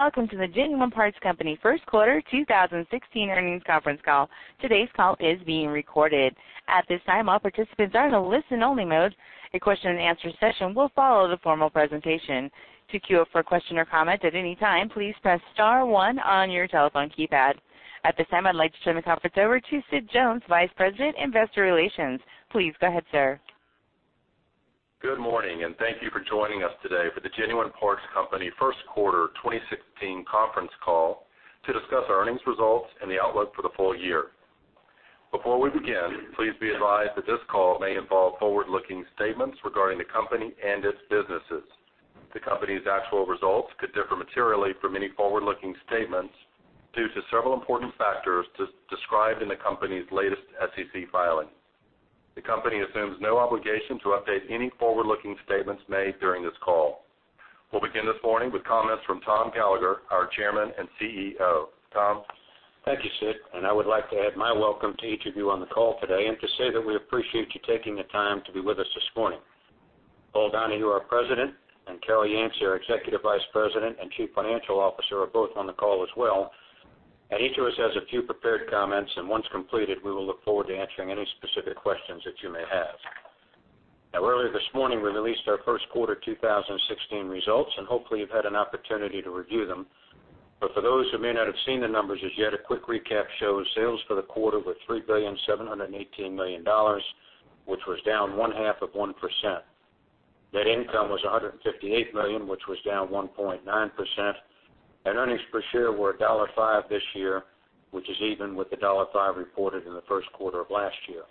Welcome to the Genuine Parts Company first quarter 2016 earnings conference call. Today's call is being recorded. At this time, all participants are in a listen-only mode. A question-and-answer session will follow the formal presentation. To queue up for a question or comment at any time, please press star one on your telephone keypad. At this time, I'd like to turn the conference over to Sid Jones, Vice President, Investor Relations. Please go ahead, sir. Good morning. Thank you for joining us today for the Genuine Parts Company first quarter 2016 conference call to discuss our earnings results and the outlook for the full year. Before we begin, please be advised that this call may involve forward-looking statements regarding the company and its businesses. The company's actual results could differ materially from any forward-looking statements due to several important factors described in the company's latest SEC filing. The company assumes no obligation to update any forward-looking statements made during this call. We'll begin this morning with comments from Tom Gallagher, our Chairman and CEO. Tom? Thank you, Sid. I would like to add my welcome to each of you on the call today and to say that we appreciate you taking the time to be with us this morning. Paul Donahue, our President, and Carol Yancey, our Executive Vice President and Chief Financial Officer, are both on the call as well. Each of us has a few prepared comments, and once completed, we will look forward to answering any specific questions that you may have. Earlier this morning, we released our first quarter 2016 results, and hopefully, you've had an opportunity to review them. For those who may not have seen the numbers as yet, a quick recap shows sales for the quarter were $3.718 billion, which was down one-half of 1%. Net income was $158 million, which was down 1.9%. Earnings per share were $1.05 this year, which is even with the $1.05 reported in the first quarter of last year.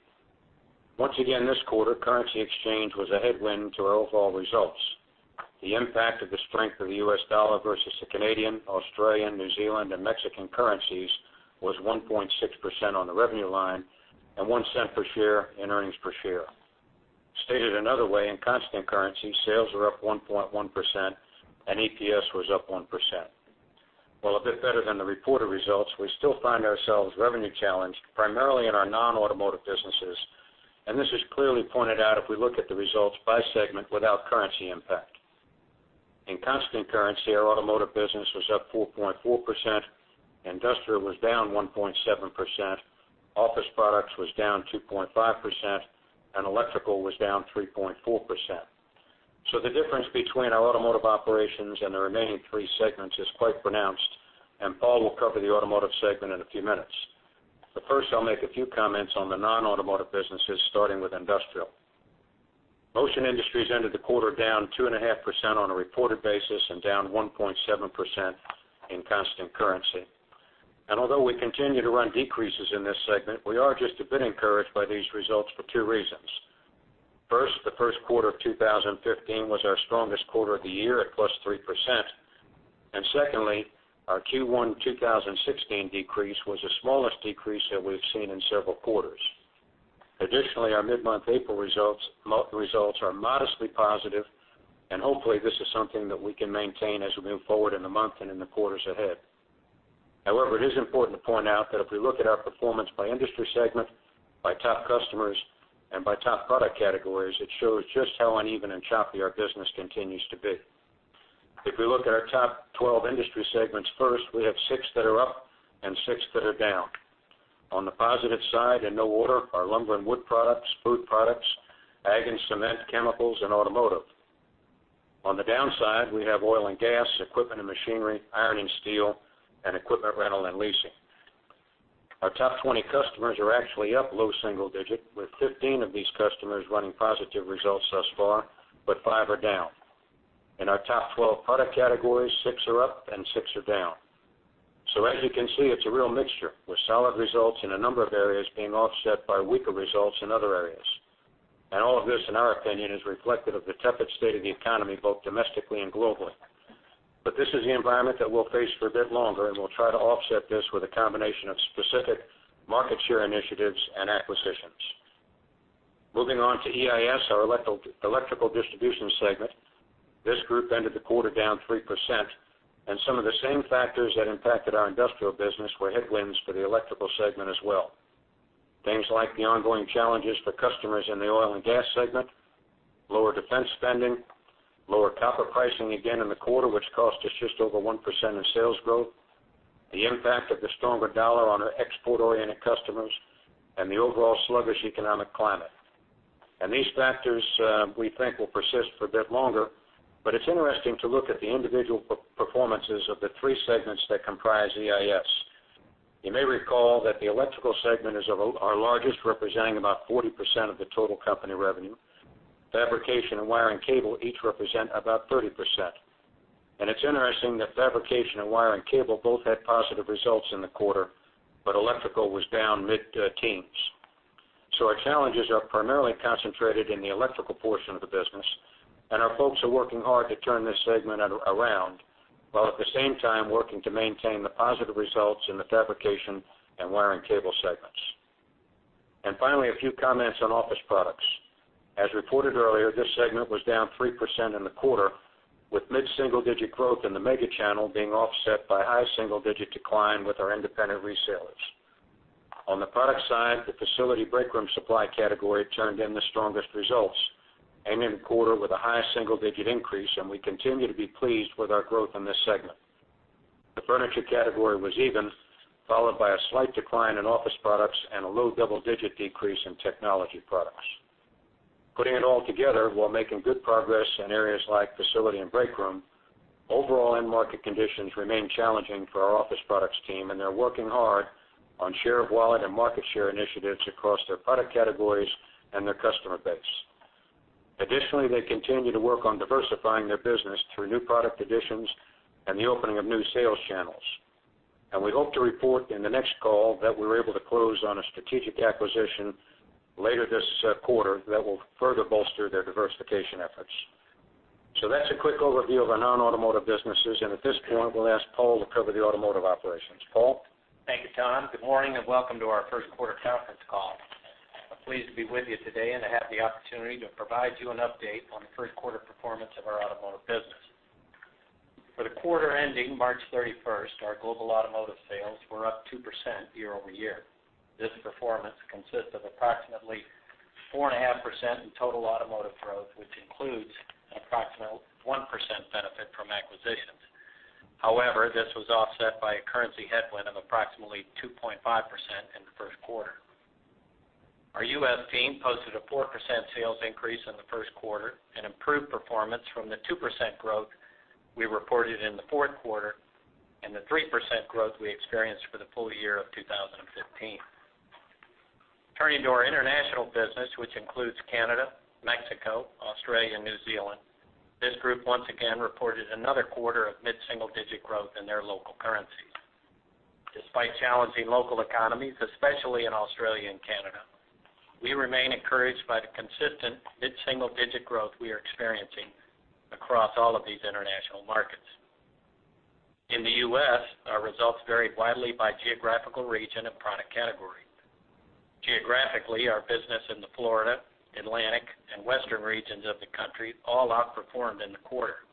Once again, this quarter, currency exchange was a headwind to our overall results. The impact of the strength of the U.S. dollar versus the Canadian, Australian, New Zealand, and Mexican currencies was 1.6% on the revenue line and $0.01 per share in earnings per share. Stated another way, in constant currency, sales were up 1.1%, and EPS was up 1%. While a bit better than the reported results, we still find ourselves revenue-challenged, primarily in our non-Automotive businesses. This is clearly pointed out if we look at the results by segment without currency impact. In constant currency, our Automotive business was up 4.4%, Industrial was down 1.7%, Office Products was down 2.5%, and Electrical was down 3.4%. The difference between our Automotive operations and the remaining three segments is quite pronounced, Paul will cover the Automotive segment in a few minutes. First, I'll make a few comments on the non-Automotive businesses, starting with industrial. Motion Industries ended the quarter down 2.5% on a reported basis and down 1.7% in constant currency. Although we continue to run decreases in this segment, we are just a bit encouraged by these results for two reasons. First, the first quarter of 2015 was our strongest quarter of the year at +3%. Secondly, our Q1 2016 decrease was the smallest decrease that we've seen in several quarters. Additionally, our mid-month April results are modestly positive, and hopefully, this is something that we can maintain as we move forward in the month and in the quarters ahead. However, it is important to point out that if we look at our performance by industry segment, by top customers, and by top product categories, it shows just how uneven and choppy our business continues to be. If we look at our top 12 industry segments first, we have six that are up and six that are down. On the positive side in no order are lumber and wood products, food products, agg and cement, chemicals, and automotive. On the downside, we have oil and gas, equipment and machinery, iron and steel, and equipment rental and leasing. Our top 20 customers are actually up low single digit, with 15 of these customers running positive results thus far, but five are down. In our top 12 product categories, six are up and six are down. As you can see, it's a real mixture, with solid results in a number of areas being offset by weaker results in other areas. All of this, in our opinion, is reflective of the tepid state of the economy, both domestically and globally. This is the environment that we'll face for a bit longer, and we'll try to offset this with a combination of specific market share initiatives and acquisitions. Moving on to EIS, our Electrical distribution segment. This group ended the quarter down 3%. Some of the same factors that impacted our Industrial business were headwinds for the Electrical segment as well. Things like the ongoing challenges for customers in the oil and gas segment, lower defense spending, lower copper pricing again in the quarter, which cost us just over 1% of sales growth, the impact of the stronger dollar on our export-oriented customers, and the overall sluggish economic climate. These factors, we think will persist for a bit longer, but it's interesting to look at the individual performances of the three segments that comprise EIS. You may recall that the Electrical segment is our largest, representing about 40% of the total company revenue. Fabrication and wire and cable each represent about 30%. It's interesting that fabrication and wire and cable both had positive results in the quarter, but Electrical was down mid-teens. Our challenges are primarily concentrated in the Electrical portion of the business, and our folks are working hard to turn this segment around, while at the same time working to maintain the positive results in the fabrication and wire and cable segments. Finally, a few comments on Office Products. As reported earlier, this segment was down 3% in the quarter, with mid-single-digit growth in the mega channel being offset by high single-digit decline with our independent resellers. On the product side, the facility break room supply category turned in the strongest results, ending the quarter with a high single-digit increase, and we continue to be pleased with our growth in this segment. The furniture category was even, followed by a slight decline in Office Products and a low double-digit decrease in technology products. Putting it all together, while making good progress in areas like facility and break room, overall end market conditions remain challenging for our Office Products team, they're working hard on share of wallet and market share initiatives across their product categories and their customer base. Additionally, they continue to work on diversifying their business through new product additions and the opening of new sales channels. We hope to report in the next call that we're able to close on a strategic acquisition later this quarter that will further bolster their diversification efforts. That's a quick overview of our non-Automotive businesses. At this point, we'll ask Paul to cover the Automotive operations. Paul? Thank you, Tom. Good morning and welcome to our first quarter conference call. I'm pleased to be with you today and have the opportunity to provide you an update on the first quarter performance of our Automotive business. For the quarter ending March 31st, our global Automotive sales were up 2% year-over-year. This performance consists of approximately 4.5% in total Automotive growth, which includes an approximate 1% benefit from acquisitions. However, this was offset by a currency headwind of approximately 2.5% in the first quarter. Our U.S. team posted a 4% sales increase in the first quarter, an improved performance from the 2% growth we reported in the fourth quarter and the 3% growth we experienced for the full year of 2015. Turning to our international business, which includes Canada, Mexico, Australia, and New Zealand. This group once again reported another quarter of mid-single digit growth in their local currencies. Despite challenging local economies, especially in Australia and Canada, we remain encouraged by the consistent mid-single digit growth we are experiencing across all of these international markets. In the U.S., our results vary widely by geographical region and product category. Geographically, our business in the Florida, Atlantic, and Western regions of the country all outperformed in the quarter.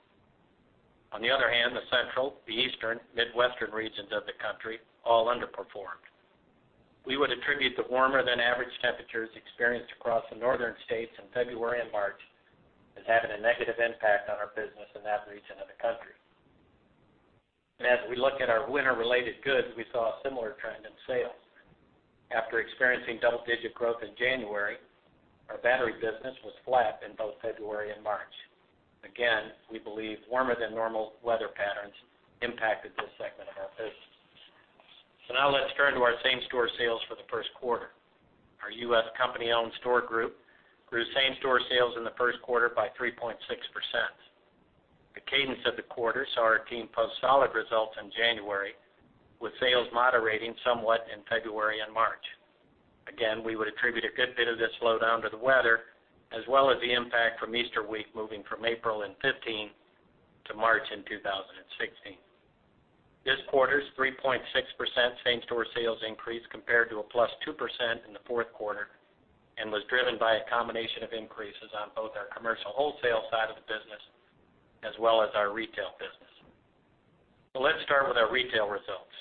On the other hand, the Central, the Eastern, Midwestern regions of the country all underperformed. We would attribute the warmer than average temperatures experienced across the northern states in February and March as having a negative impact on our business in that region of the country. As we look at our winter-related goods, we saw a similar trend in sales. After experiencing double-digit growth in January, our battery business was flat in both February and March. Again, we believe warmer than normal weather patterns impacted this segment of our business. Now let's turn to our same-store sales for the first quarter. Our U.S. company-owned store group grew same-store sales in the first quarter by 3.6%. The cadence of the quarter saw our team post solid results in January, with sales moderating somewhat in February and March. Again, we would attribute a good bit of this slowdown to the weather, as well as the impact from Easter week moving from April in 2015 to March in 2016. This quarter's 3.6% same-store sales increase compared to a +2% in the fourth quarter and was driven by a combination of increases on both our commercial wholesale side of the business as well as our retail business. Let's start with our retail results.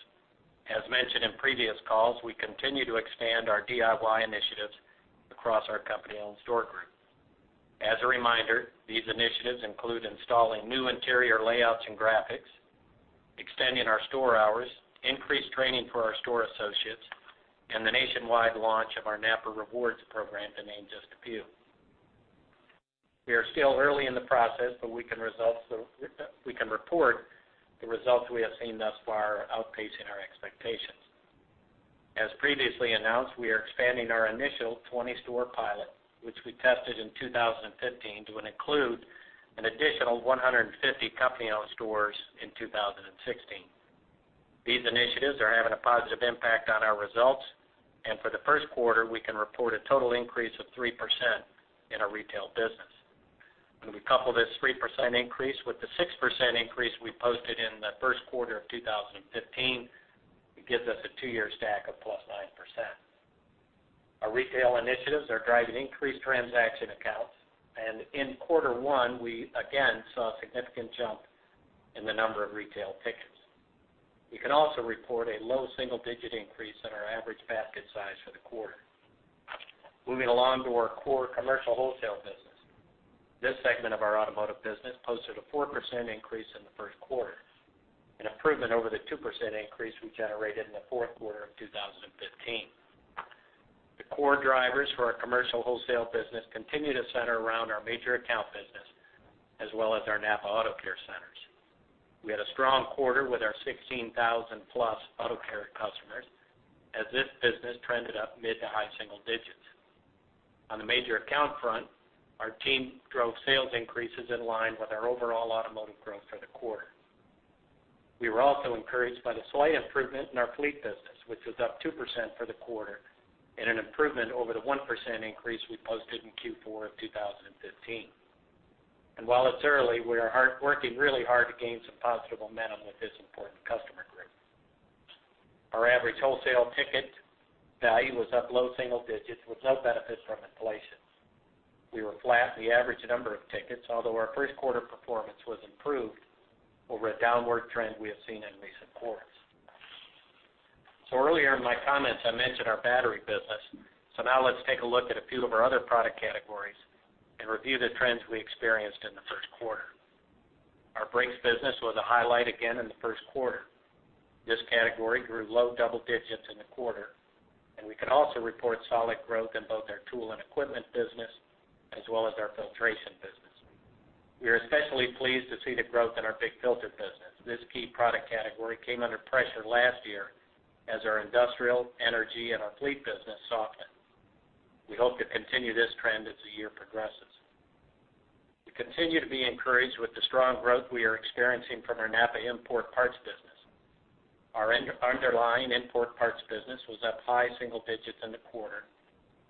As mentioned in previous calls, we continue to expand our DIY initiatives across our company-owned store group. As a reminder, these initiatives include installing new interior layouts and graphics, extending our store hours, increased training for our store associates, and the nationwide launch of our NAPA Rewards program, to name just a few. We are still early in the process, but we can report the results we have seen thus far are outpacing our expectations. As previously announced, we are expanding our initial 20-store pilot, which we tested in 2015, to include an additional 150 company-owned stores in 2016. These initiatives are having a positive impact on our results, and for the first quarter, we can report a total increase of 3% in our retail business. When we couple this 3% increase with the 6% increase we posted in the first quarter of 2015, it gives us a two-year stack of +9%. Our retail initiatives are driving increased transaction accounts. In quarter one, we again saw a significant jump in the number of retail tickets. We can also report a low single-digit increase in our average basket size for the quarter. Moving along to our core commercial wholesale business. This segment of our Automotive business posted a 4% increase in the first quarter, an improvement over the 2% increase we generated in the fourth quarter of 2015. The core drivers for our commercial wholesale business continue to center around our major account business as well as our NAPA AutoCare centers. We had a strong quarter with our 16,000-plus AutoCare customers, as this business trended up mid to high single digits. On the major account front, our team drove sales increases in line with our overall Automotive growth for the quarter. We were also encouraged by the slight improvement in our fleet business, which was up 2% for the quarter in an improvement over the 1% increase we posted in Q4 of 2015. While it's early, we are working really hard to gain some positive momentum with this important customer group. Our average wholesale ticket value was up low single digits with no benefits from inflation. We were flat in the average number of tickets, although our first quarter performance was improved over a downward trend we have seen in recent quarters. Earlier in my comments, I mentioned our battery business. Now let's take a look at a few of our other product categories and review the trends we experienced in the first quarter. Our brakes business was a highlight again in the first quarter. This category grew low double digits in the quarter. We can also report solid growth in both our tool and equipment business as well as our filtration business. We are especially pleased to see the growth in our big filter business. This key product category came under pressure last year as our industrial, energy, and our fleet business softened. We hope to continue this trend as the year progresses. We continue to be encouraged with the strong growth we are experiencing from our NAPA import parts business. Our underlying import parts business was up high single digits in the quarter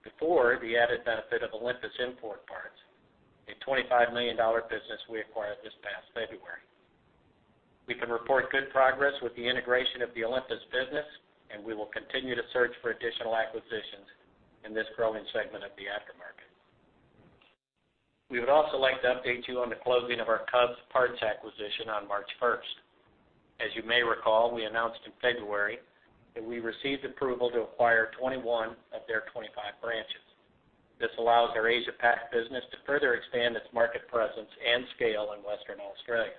before the added benefit of Olympus Import Parts, a $25 million business we acquired this past February. We can report good progress with the integration of the Olympus business, and we will continue to search for additional acquisitions in this growing segment of the aftermarket. We would also like to update you on the closing of our Covs Parts acquisition on March 1st. As you may recall, we announced in February that we received approval to acquire 21 of their 25 branches. This allows our Asia-Pac business to further expand its market presence and scale in Western Australia.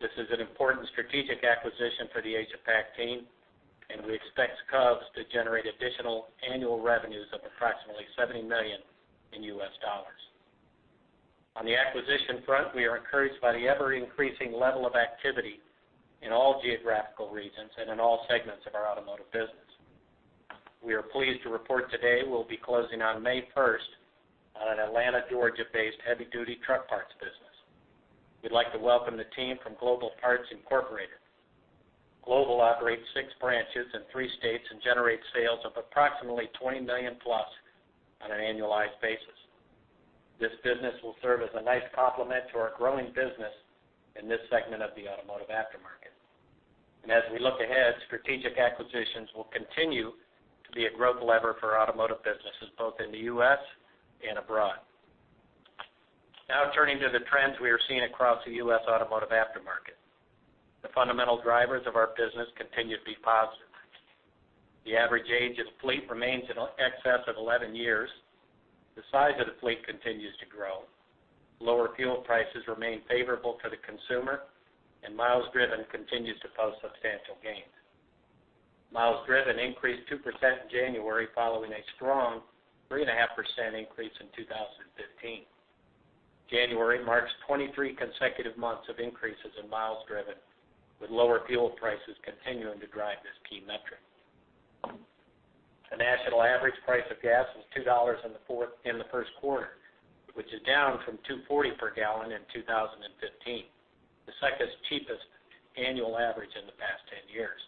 This is an important strategic acquisition for the Asia-Pac team, and we expect Covs to generate additional annual revenues of approximately $70 million in USD. On the acquisition front, we are encouraged by the ever-increasing level of activity in all geographical regions and in all segments of our Automotive business. We are pleased to report today we'll be closing on May 1st on an Atlanta, Georgia-based heavy-duty truck parts business. We'd like to welcome the team from Global Parts, Inc. Global operates six branches in three states and generates sales of approximately $20 million-plus on an annualized basis. This business will serve as a nice complement to our growing business in this segment of the Automotive aftermarket. As we look ahead, strategic acquisitions will continue to be a growth lever for Automotive businesses both in the U.S. and abroad. Now turning to the trends we are seeing across the U.S. Automotive aftermarket. The fundamental drivers of our business continue to be positive. The average age of the fleet remains in excess of 11 years. The size of the fleet continues to grow. Lower fuel prices remain favorable to the consumer, and miles driven continues to post substantial gains. Miles driven increased 2% in January, following a strong 3.5% increase in 2015. January marks 23 consecutive months of increases in miles driven, with lower fuel prices continuing to drive this key metric. The national average price of gas was $2 in the first quarter, which is down from $2.40 per gallon in 2015, the second cheapest annual average in the past 10 years.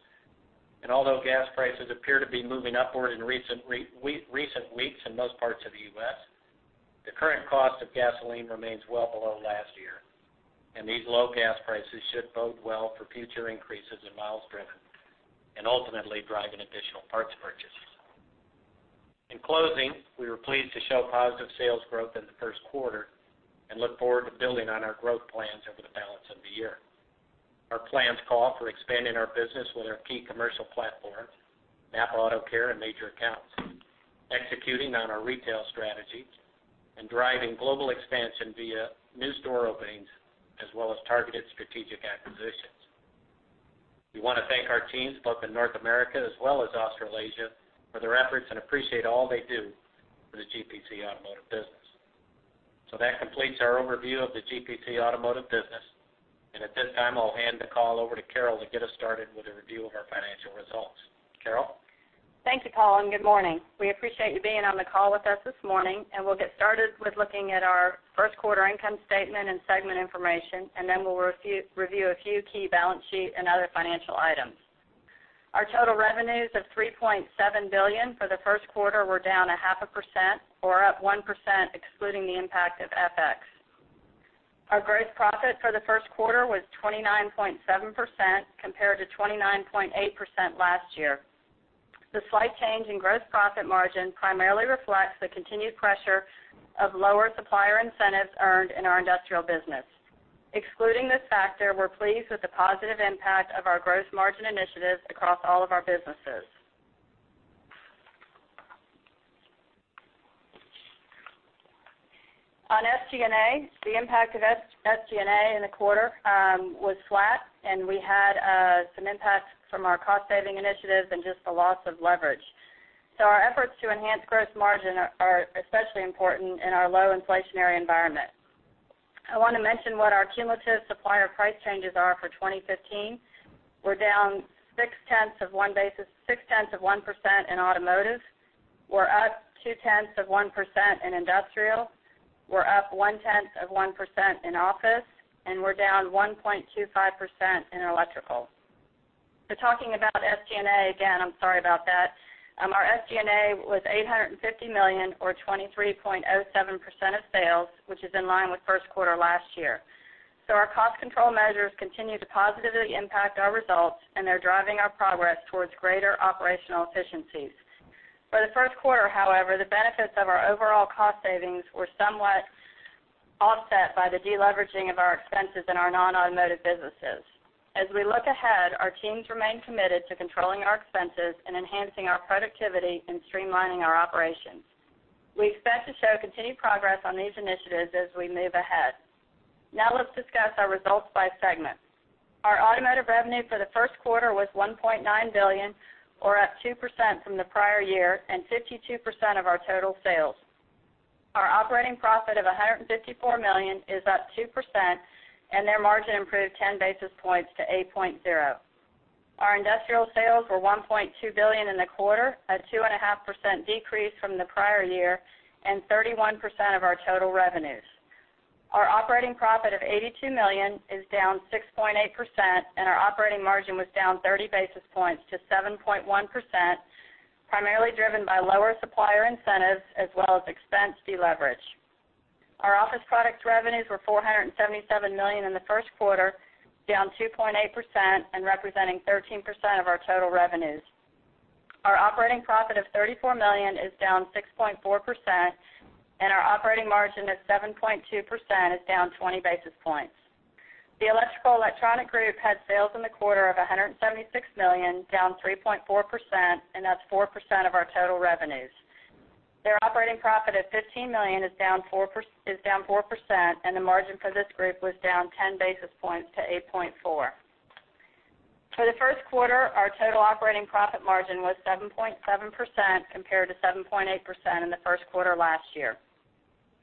Although gas prices appear to be moving upward in recent weeks in most parts of the U.S., the current cost of gasoline remains well below last year. These low gas prices should bode well for future increases in miles driven and ultimately driving additional parts purchases. In closing, we were pleased to show positive sales growth in the first quarter and look forward to building on our growth plans over the balance of the year. Our plans call for expanding our business with our key commercial platforms, NAPA AutoCare and Major Accounts, executing on our retail strategy, and driving global expansion via new store openings as well as targeted strategic acquisitions. We want to thank our teams both in North America as well as Australasia for their efforts and appreciate all they do for the GPC Automotive business. That completes our overview of the GPC Automotive business. At this time, I'll hand the call over to Carol to get us started with a review of our financial results. Carol? Thank you, Paul, and good morning. We appreciate you being on the call with us this morning, and we'll get started with looking at our first quarter income statement and segment information, and then we'll review a few key balance sheet and other financial items. Our total revenues of $3.7 billion for the first quarter were down 0.5%, or up 1% excluding the impact of FX. Our gross profit for the first quarter was 29.7% compared to 29.8% last year. The slight change in gross profit margin primarily reflects the continued pressure of lower supplier incentives earned in our Industrial business. Excluding this factor, we're pleased with the positive impact of our gross margin initiatives across all of our businesses. On SG&A, the impact of SG&A in the quarter was flat, and we had some impact from our cost-saving initiatives and just the loss of leverage. Our efforts to enhance gross margin are especially important in our low inflationary environment. I want to mention what our cumulative supplier price changes are for 2015. We're down 0.6% in Automotive. We're up 0.2% in Industrial. We're up 0.1% in Office, and we're down 1.25% in Electrical. Talking about SG&A again, I'm sorry about that. Our SG&A was $850 million or 23.07% of sales, which is in line with first quarter last year. Our cost control measures continue to positively impact our results, and they're driving our progress towards greater operational efficiencies. For the first quarter, however, the benefits of our overall cost savings were somewhat offset by the deleveraging of our expenses in our non-Automotive businesses. As we look ahead, our teams remain committed to controlling our expenses and enhancing our productivity in streamlining our operations. We expect to show continued progress on these initiatives as we move ahead. Let's discuss our results by segment. Our Automotive revenue for the first quarter was $1.9 billion, or up 2% from the prior year and 52% of our total sales. Our operating profit of $154 million is up 2%, and their margin improved 10 basis points to 8.0%. Our Industrial sales were $1.2 billion in the quarter, a 2.5% decrease from the prior year and 31% of our total revenues. Our operating profit of $82 million is down 6.8%, and our operating margin was down 30 basis points to 7.1%, primarily driven by lower supplier incentives as well as expense deleverage. Our Office Products revenues were $477 million in the first quarter, down 2.8% and representing 13% of our total revenues. Our operating profit of $34 million is down 6.4%, and our operating margin of 7.2% is down 20 basis points. The Electrical/Electronic Group had sales in the quarter of $176 million, down 3.4%, and that's 4% of our total revenues. Their operating profit of $15 million is down 4%, and the margin for this group was down 10 basis points to 8.4%. For the first quarter, our total operating profit margin was 7.7% compared to 7.8% in the first quarter last year.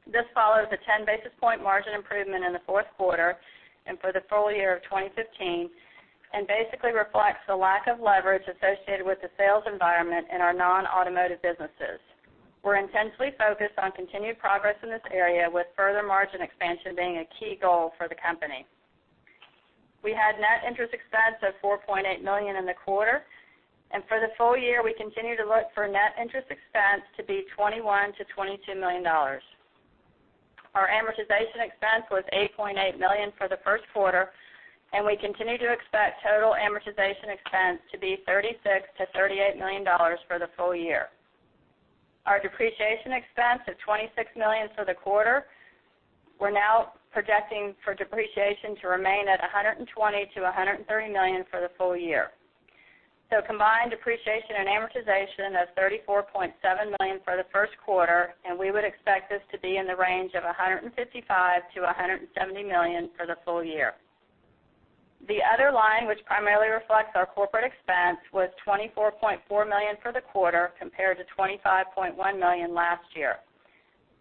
This follows the 10 basis point margin improvement in the fourth quarter and for the full year of 2015, and basically reflects the lack of leverage associated with the sales environment in our non-Automotive businesses. We're intensely focused on continued progress in this area, with further margin expansion being a key goal for the company. We had net interest expense of $4.8 million in the quarter, and for the full year, we continue to look for net interest expense to be $21 million-$22 million. Our amortization expense was $8.8 million for the first quarter, and we continue to expect total amortization expense to be $36 million-$38 million for the full year. Our depreciation expense of $26 million for the quarter, we're now projecting for depreciation to remain at $120 million-$130 million for the full year. Combined depreciation and amortization of $34.7 million for the first quarter, and we would expect this to be in the range of $155 million-$170 million for the full year. The other line, which primarily reflects our corporate expense, was $24.4 million for the quarter, compared to $25.1 million last year.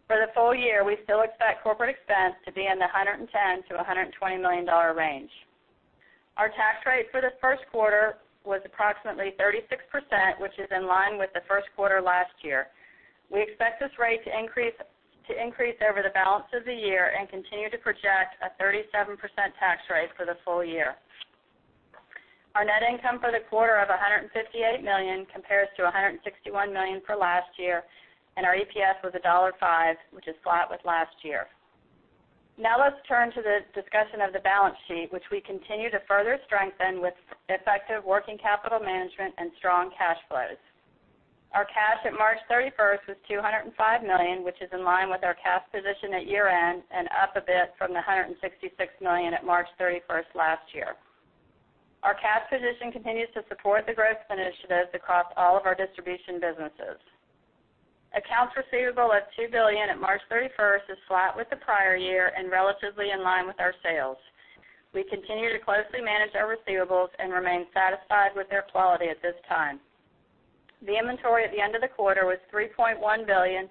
For the full year, we still expect corporate expense to be in the $110 million-$120 million range. Our tax rate for the first quarter was approximately 36%, which is in line with the first quarter last year. We expect this rate to increase over the balance of the year and continue to project a 37% tax rate for the full year. Our net income for the quarter of $158 million compares to $161 million for last year, and our EPS was $1.05, which is flat with last year. Now let's turn to the discussion of the balance sheet, which we continue to further strengthen with effective working capital management and strong cash flows. Our cash at March 31st was $205 million, which is in line with our cash position at year-end and up a bit from the $166 million at March 31st last year. Our cash position continues to support the growth initiatives across all of our distribution businesses. Accounts receivable of $2 billion at March 31st is flat with the prior year and relatively in line with our sales. We continue to closely manage our receivables and remain satisfied with their quality at this time. The inventory at the end of the quarter was $3.1 billion,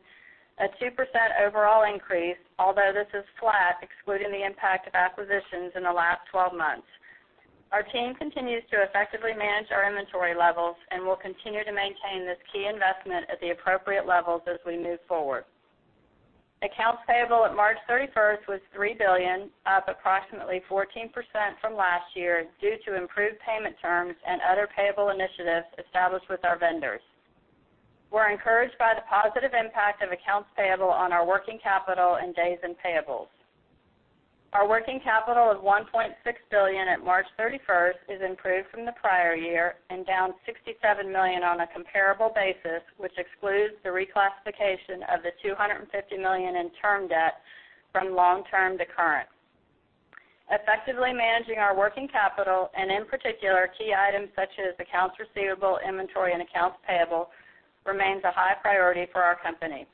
a 2% overall increase, although this is flat excluding the impact of acquisitions in the last 12 months. Our team continues to effectively manage our inventory levels and will continue to maintain this key investment at the appropriate levels as we move forward. Accounts payable at March 31st was $3 billion, up approximately 14% from last year due to improved payment terms and other payable initiatives established with our vendors. We're encouraged by the positive impact of accounts payable on our working capital and days in payables. Our working capital of $1.6 billion at March 31st is improved from the prior year and down $67 million on a comparable basis, which excludes the reclassification of the $250 million in term debt from long-term to current. Effectively managing our working capital, and in particular, key items such as accounts receivable, inventory, and accounts payable, remains a high priority for our company.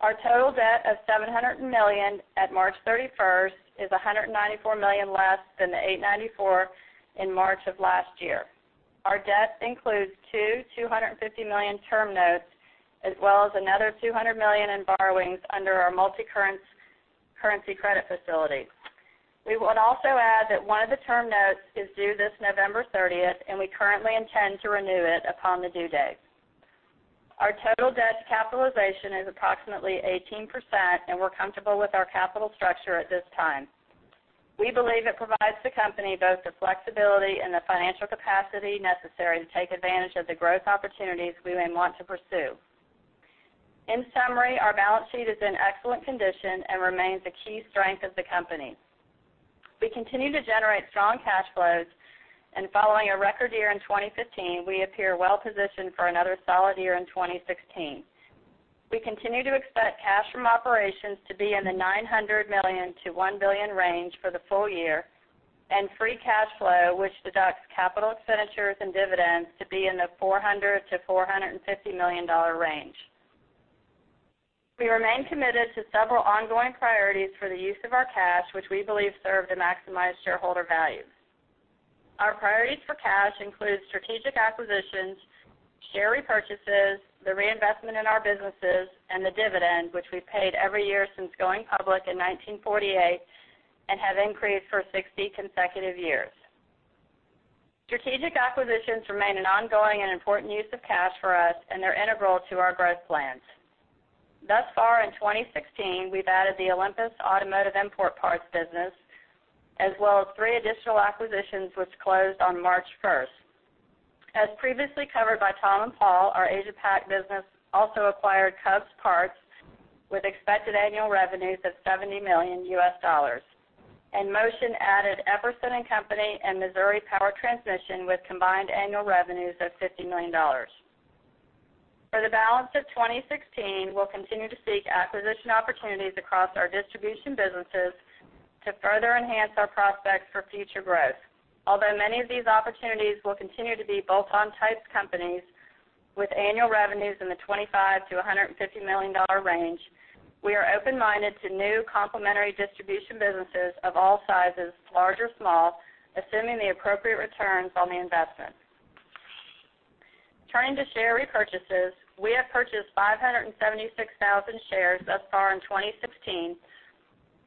Our total debt of $700 million at March 31st is $194 million less than the $894 million in March of last year. Our debt includes two $250 million term notes, as well as another $200 million in borrowings under our multi-currency credit facility. We would also add that one of the term notes is due this November 30th, and we currently intend to renew it upon the due date. Our total debt to capitalization is approximately 18%, and we're comfortable with our capital structure at this time. We believe it provides the company both the flexibility and the financial capacity necessary to take advantage of the growth opportunities we may want to pursue. In summary, our balance sheet is in excellent condition and remains a key strength of the company. We continue to generate strong cash flows, and following a record year in 2015, we appear well-positioned for another solid year in 2016. We continue to expect cash from operations to be in the $900 million-$1 billion range for the full year, and free cash flow, which deducts CapEx and dividends to be in the $400 million-$450 million range. We remain committed to several ongoing priorities for the use of our cash, which we believe serve to maximize shareholder value. Our priorities for cash include strategic acquisitions, share repurchases, the reinvestment in our businesses, and the dividend, which we've paid every year since going public in 1948 and have increased for 60 consecutive years. Strategic acquisitions remain an ongoing and important use of cash for us, and they're integral to our growth plans. Thus far in 2016, we've added the Olympus Imported Auto Parts business, as well as three additional acquisitions, which closed on March 1st. As previously covered by Tom and Paul, our Asia-Pac business also acquired Covs Parts with expected annual revenues of $70 million. Motion added Epperson and Company and Missouri Power Transmission with combined annual revenues of $50 million. For the balance of 2016, we'll continue to seek acquisition opportunities across our distribution businesses to further enhance our prospects for future growth. Although many of these opportunities will continue to be bolt-on type companies with annual revenues in the $25 million-$150 million range, we are open-minded to new complementary distribution businesses of all sizes, large or small, assuming the appropriate returns on the investment. Turning to share repurchases, we have purchased 576,000 shares thus far in 2016,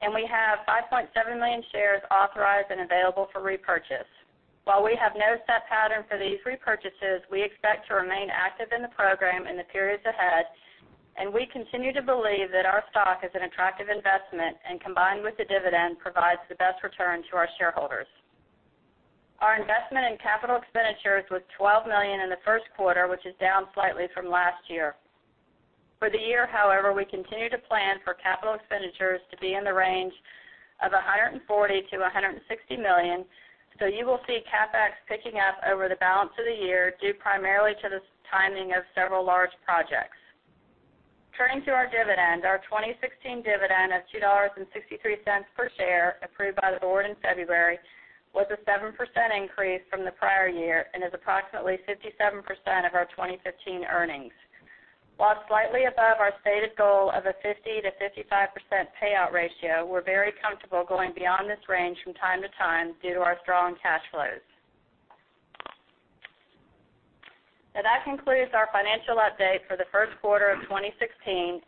and we have 5.7 million shares authorized and available for repurchase. While we have no set pattern for these repurchases, we expect to remain active in the program in the periods ahead. We continue to believe that our stock is an attractive investment and combined with the dividend provides the best return to our shareholders. Our investment in CapEx was $12 million in the first quarter, which is down slightly from last year. For the year, however, we continue to plan for capital expenditures to be in the range of $140 million-$160 million. You will see CapEx picking up over the balance of the year, due primarily to the timing of several large projects. Turning to our dividend, our 2016 dividend of $2.63 per share, approved by the board in February, was a 7% increase from the prior year and is approximately 57% of our 2015 earnings. While slightly above our stated goal of a 50%-55% payout ratio, we're very comfortable going beyond this range from time to time due to our strong cash flows. That concludes our financial update for the first quarter of 2016,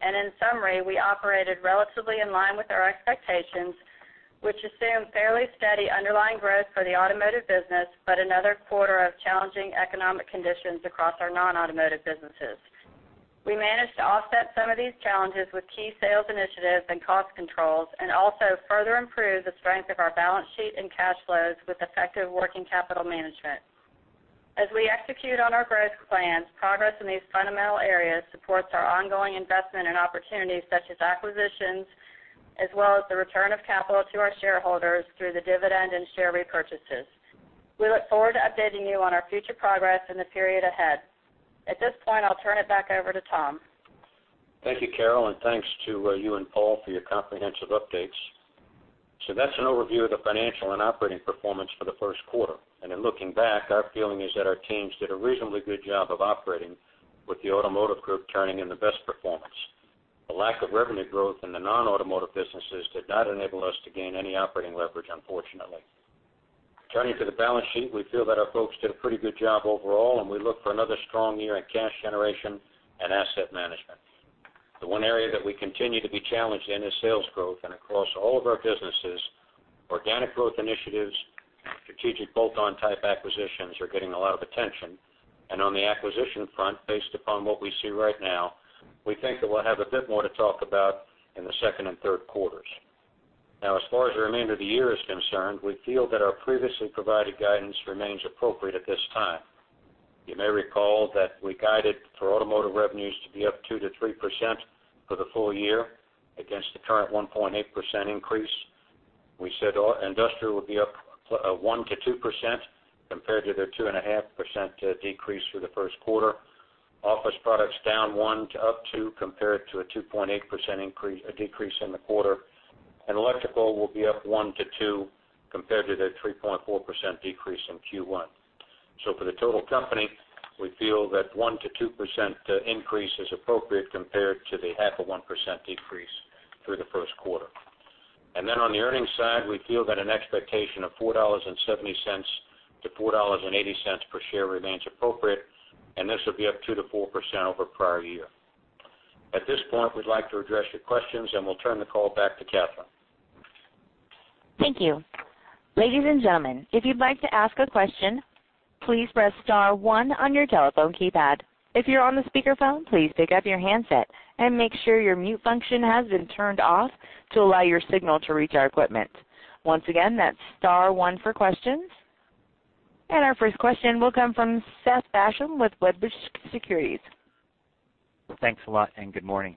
and in summary, we operated relatively in line with our expectations, which assume fairly steady underlying growth for the Automotive business, but another quarter of challenging economic conditions across our non-Automotive businesses. We managed to offset some of these challenges with key sales initiatives and cost controls and also further improved the strength of our balance sheet and cash flows with effective working capital management. As we execute on our growth plans, progress in these fundamental areas supports our ongoing investment in opportunities such as acquisitions, as well as the return of capital to our shareholders through the dividend and share repurchases. We look forward to updating you on our future progress in the period ahead. At this point, I'll turn it back over to Tom. Thank you, Carol, and thanks to you and Paul for your comprehensive updates. That's an overview of the financial and operating performance for the first quarter. In looking back, our feeling is that our teams did a reasonably good job of operating with the Automotive group turning in the best performance. The lack of revenue growth in the non-Automotive businesses did not enable us to gain any operating leverage, unfortunately. Turning to the balance sheet, we feel that our folks did a pretty good job overall, and we look for another strong year in cash generation and asset management. The one area that we continue to be challenged in is sales growth across all of our businesses, organic growth initiatives, strategic bolt-on type acquisitions are getting a lot of attention. On the acquisition front, based upon what we see right now, we think that we'll have a bit more to talk about in the second and third quarters. As far as the remainder of the year is concerned, we feel that our previously provided guidance remains appropriate at this time. You may recall that we guided for Automotive revenues to be up 2%-3% for the full year against the current 1.8% increase. We said Industrial would be up 1%-2% compared to their 2.5% decrease through the first quarter. Office Products -1% to +2% compared to a 2.8% increase, a decrease in the quarter. Electrical will be up 1%-2% compared to their 3.4% decrease in Q1. For the total company, we feel that 1%-2% increase is appropriate compared to the half a 1% decrease through the first quarter. On the earnings side, we feel that an expectation of $4.70-$4.80 per share remains appropriate, this will be up 2%-4% over prior year. At this point, we'd like to address your questions, we'll turn the call back to Catherine. Thank you. Ladies and gentlemen, if you'd like to ask a question, please press *1 on your telephone keypad. If you're on the speakerphone, please pick up your handset and make sure your mute function has been turned off to allow your signal to reach our equipment. Once again, that's *1 for questions. Our first question will come from Seth Basham with Wedbush Securities. Thanks a lot, good morning.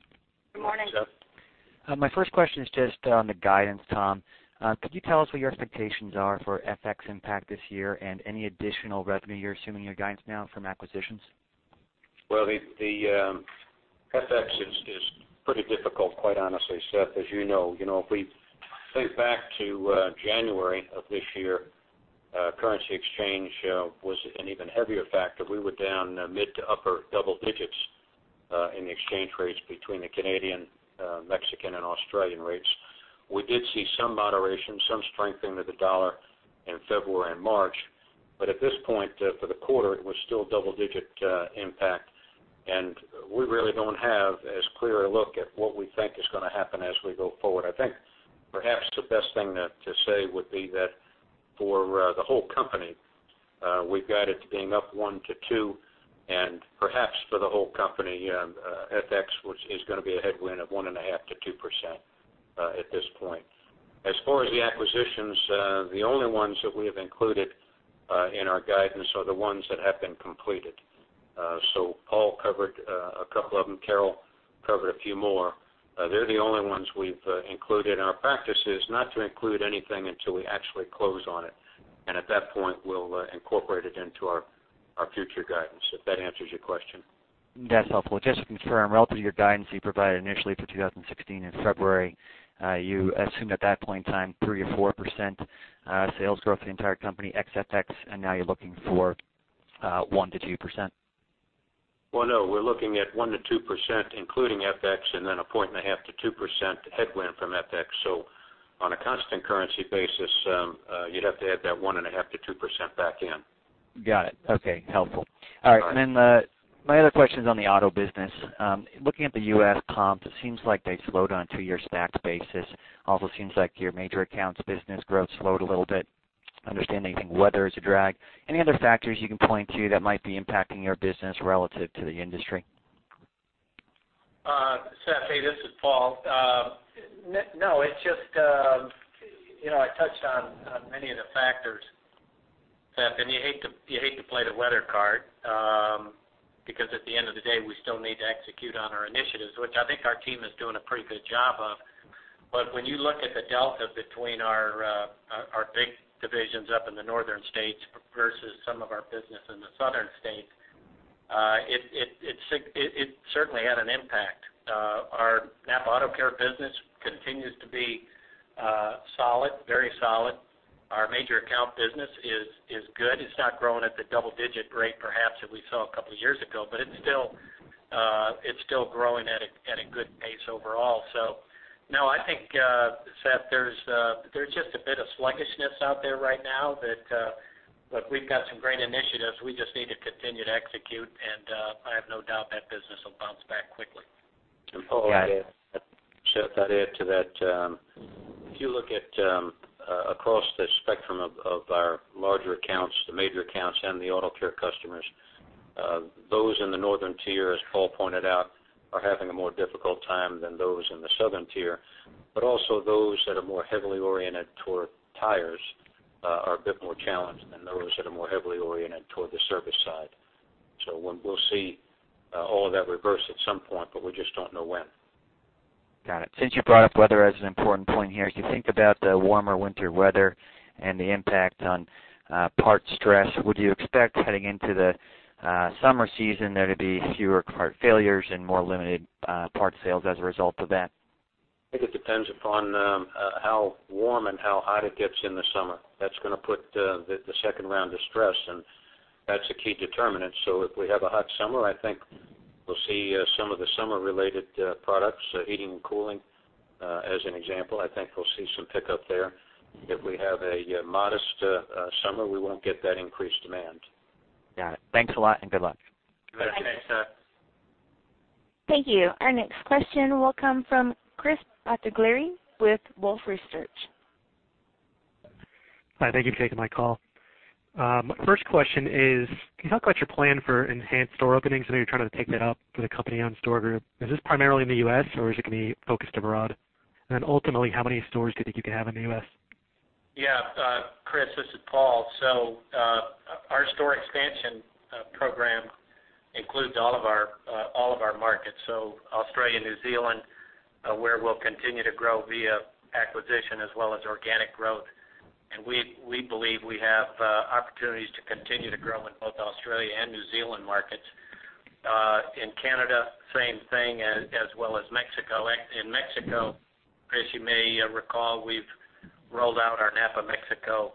Good morning. My first question is just on the guidance, Tom. Could you tell us what your expectations are for FX impact this year and any additional revenue you're assuming your guidance now from acquisitions? The FX is pretty difficult, quite honestly, Seth, as you know. If we think back to January of this year, currency exchange was an even heavier factor. We were down mid to upper double digits in the exchange rates between the Canadian, Mexican, and Australian rates. We did see some moderation, some strengthening of the dollar in February and March. At this point, for the quarter, it was still double-digit impact, and we really don't have as clear a look at what we think is going to happen as we go forward. I think perhaps the best thing to say would be that for the whole company, we've got it being up 1%-2%, and perhaps for the whole company, FX is going to be a headwind of 1.5%-2% at this point. As far as the acquisitions, the only ones that we have included in our guidance are the ones that have been completed. Paul covered a couple of them, Carol covered a few more. They're the only ones we've included. Our practice is not to include anything until we actually close on it, and at that point, we'll incorporate it into our future guidance, if that answers your question. That's helpful. Just to confirm, relative to your guidance you provided initially for 2016 in February, you assumed at that point in time 3%-4% sales growth the entire company ex FX, and now you're looking for 1%-2%? Well, no, we're looking at 1%-2% including FX, and then 1.5%-2% headwind from FX. On a constant currency basis, you'd have to add that 1.5%-2% back in. Got it. Okay, helpful. All right. My other question is on the auto business. Looking at the U.S. comps, it seems like they slowed on two-year stacked basis. Also seems like your major accounts business growth slowed a little bit. I understand anything weather is a drag. Any other factors you can point to that might be impacting your business relative to the industry? Seth, hey, this is Paul. No, I touched on many of the factors, Seth, you hate to play the weather card, because at the end of the day, we still need to execute on our initiatives, which I think our team is doing a pretty good job of. When you look at the delta between our big divisions up in the northern states versus some of our business in the southern states, it certainly had an impact. Our NAPA AutoCare business continues to be very solid. Our major account business is good. It's not growing at the double-digit rate perhaps that we saw a couple of years ago, it's still growing at a good pace overall. No, I think, Seth, there's just a bit of sluggishness out there right now. We've got some great initiatives. We just need to continue to execute, I have no doubt that business will bounce back quickly. Paul, I'd add to that. If you look at across the spectrum of our larger accounts, the major accounts and the AutoCare customers, those in the northern tier, as Paul pointed out, are having a more difficult time than those in the southern tier. Also those that are more heavily oriented toward tires are a bit more challenged than those that are more heavily oriented toward the service side. We'll see all of that reverse at some point, we just don't know when. Got it. Since you brought up weather as an important point here, if you think about the warmer winter weather and the impact on part stress, would you expect heading into the summer season there to be fewer part failures and more limited part sales as a result of that? I think it depends upon how warm and how hot it gets in the summer. That's going to put the second round of stress, that's a key determinant. If we have a hot summer, I think we'll see some of the summer-related products, heating and cooling, as an example. I think we'll see some pickup there. If we have a modest summer, we won't get that increased demand. Got it. Thanks a lot. Good luck. You bet. Thanks, Seth. Thank you. Our next question will come from Chris Bottiglieri with Wolfe Research. Hi, thank you for taking my call. My first question is, can you talk about your plan for enhanced store openings? I know you're trying to take that up for the company-owned store group. Is this primarily in the U.S., or is it going to be focused abroad? Ultimately, how many stores do you think you can have in the U.S.? Chris, this is Paul. Our store expansion program includes all of our markets. Australia, New Zealand, where we'll continue to grow via acquisition as well as organic growth. We believe we have opportunities to continue to grow in both Australia and New Zealand markets. In Canada, same thing, as well as Mexico. In Mexico, Chris, you may recall, we've rolled out our NAPA Mexico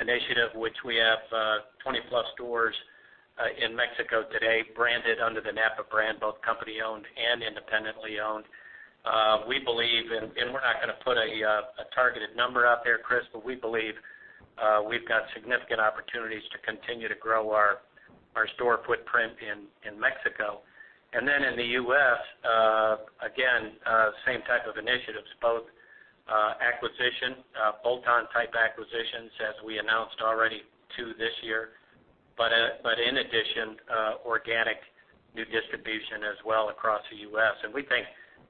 initiative, which we have 20+ stores in Mexico today branded under the NAPA brand, both company-owned and independently owned. We're not going to put a targeted number out there, Chris, but we believe we've got significant opportunities to continue to grow our store footprint in Mexico. In the U.S., again, same type of initiatives, both acquisition, bolt-on type acquisitions, as we announced already two this year. In addition, organic new distribution as well across the U.S. We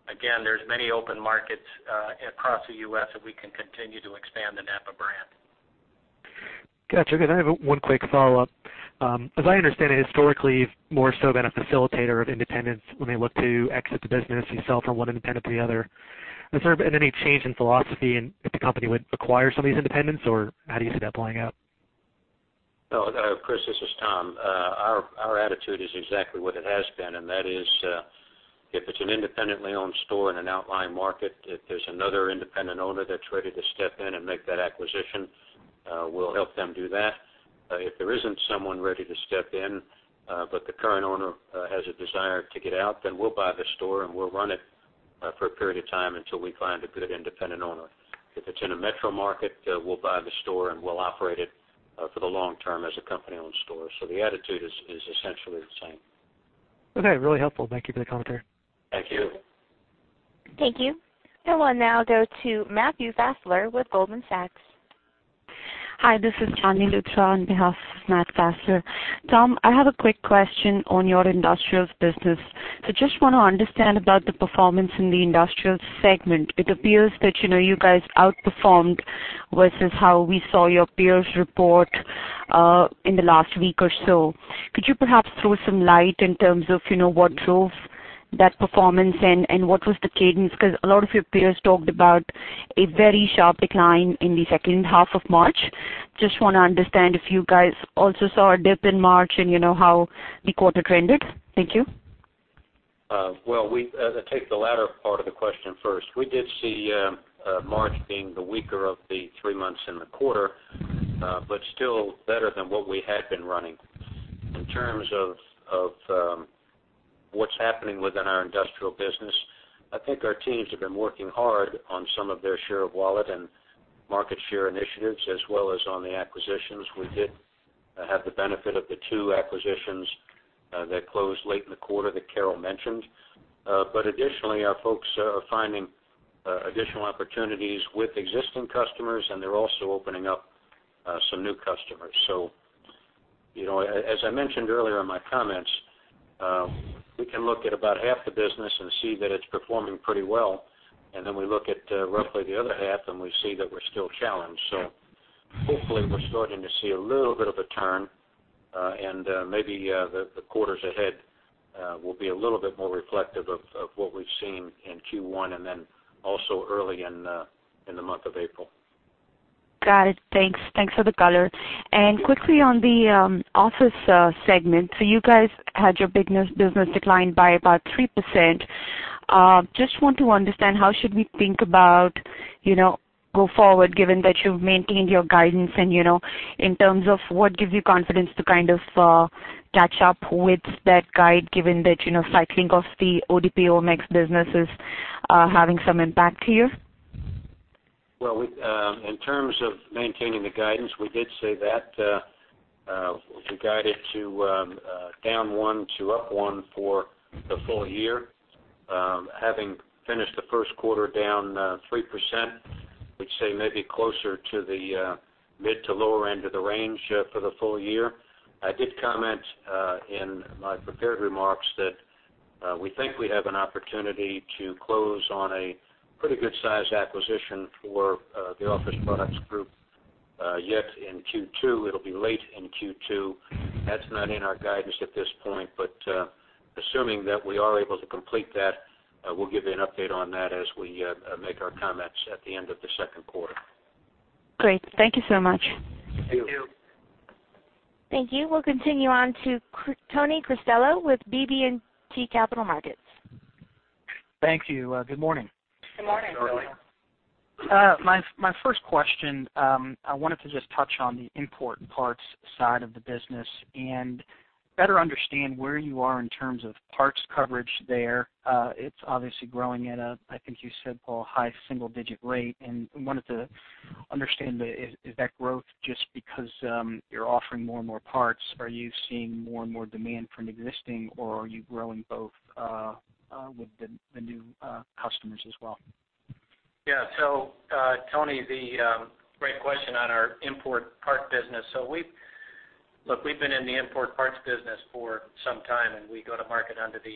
think, again, there's many open markets across the U.S. that we can continue to expand the NAPA brand. Got you. Good. I have one quick follow-up. As I understand it, historically, more so been a facilitator of independents when they look to exit the business, you sell from one independent to the other. Has there been any change in philosophy, and if the company would acquire some of these independents, or how do you see that playing out? Chris, this is Tom. Our attitude is exactly what it has been, and that is, if it's an independently owned store in an outlying market, if there's another independent owner that's ready to step in and make that acquisition, we'll help them do that. If there isn't someone ready to step in, but the current owner has a desire to get out, then we'll buy the store, and we'll run it for a period of time until we find a good independent owner. If it's in a metro market, we'll buy the store, and we'll operate it for the long term as a company-owned store. The attitude is essentially the same. Okay. Really helpful. Thank you for the commentary. Thank you. Thank you. We'll now go to Matthew Fassler with Goldman Sachs. Hi, this is Saurabh Uthra on behalf of Matt Fassler. Tom, I have a quick question on your industrials business. Just want to understand about the performance in the Industrials segment. It appears that you guys outperformed versus how we saw your peers report in the last week or so. Could you perhaps throw some light in terms of what drove that performance, and what was the cadence? A lot of your peers talked about a very sharp decline in the second half of March. Just want to understand if you guys also saw a dip in March and how the quarter trended. Thank you. Well, I'll take the latter part of the question first. We did see March being the weaker of the three months in the quarter, but still better than what we had been running. In terms of what's happening within our Industrial business, I think our teams have been working hard on some of their share of wallet and market share initiatives, as well as on the acquisitions. We did have the benefit of the two acquisitions that closed late in the quarter that Carol mentioned. Additionally, our folks are finding additional opportunities with existing customers, and they're also opening up some new customers. As I mentioned earlier in my comments, we can look at about half the business and see that it's performing pretty well, and then we look at roughly the other half, and we see that we're still challenged. Hopefully we're starting to see a little bit of a turn, and maybe the quarters ahead will be a little bit more reflective of what we've seen in Q1 also early in the month of April. Got it. Thanks for the color. Quickly on the office segment. You guys had your business decline by about 3%. Just want to understand how should we think about go forward, given that you've maintained your guidance, in terms of what gives you confidence to kind of catch up with that guide, given that, cycling of the ODPO Max business is having some impact here? Well, in terms of maintaining the guidance, we did say that. We guided to down one to up one for the full year. Having finished the first quarter down 3%, we'd say maybe closer to the mid to lower end of the range for the full year. I did comment in my prepared remarks that we think we have an opportunity to close on a pretty good-sized acquisition for the Office Products group yet in Q2. It'll be late in Q2. That's not in our guidance at this point, but assuming that we are able to complete that, we'll give you an update on that as we make our comments at the end of the second quarter. Great. Thank you so much. Thank you. Thank you. We'll continue on to Anthony Cristello with BB&T Capital Markets. Thank you. Good morning. Good morning, Tony. Good morning. My first question, I wanted to just touch on the import parts side of the business and better understand where you are in terms of parts coverage there. It's obviously growing at a, I think you said, Paul, high single-digit rate, wanted to understand, is that growth just because you're offering more and more parts? Are you seeing more and more demand from existing, or are you growing both with the new customers as well? Tony, great question on our import part business. Look, we've been in the import parts business for some time, we go to market under the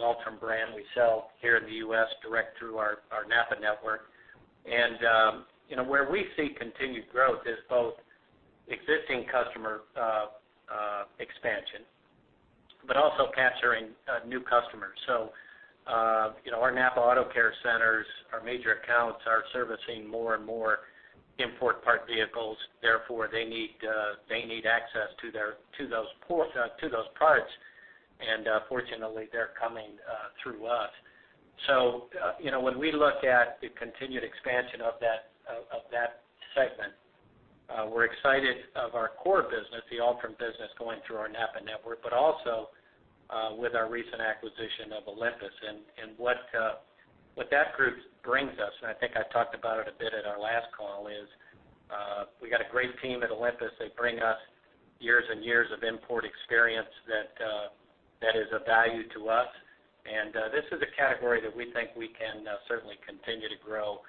Altrom brand. We sell here in the U.S. direct through our NAPA network. Where we see continued growth is both existing customer expansion but also capturing new customers. Our NAPA AutoCare Centers, our major accounts are servicing more and more import part vehicles, therefore, they need access to those parts, fortunately, they're coming through us. When we look at the continued expansion of that segment, we're excited of our core business, the Altrom business, going through our NAPA network, but also with our recent acquisition of Olympus. What that group brings us, and I think I talked about it a bit at our last call, is we've got a great team at Olympus. They bring us years and years of import experience that is of value to us. This is a category that we think we can certainly continue to grow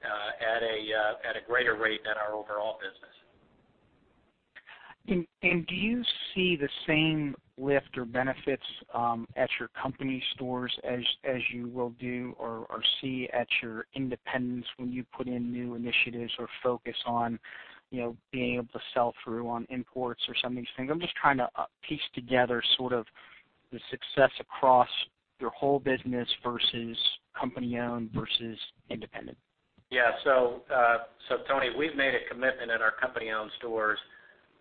at a greater rate than our overall business. Do you see the same lift or benefits at your company stores as you will do or see at your independents when you put in new initiatives or focus on being able to sell through on imports or some of these things? I'm just trying to piece together sort of the success across your whole business versus company-owned versus independent. Yeah. Tony, we've made a commitment at our company-owned stores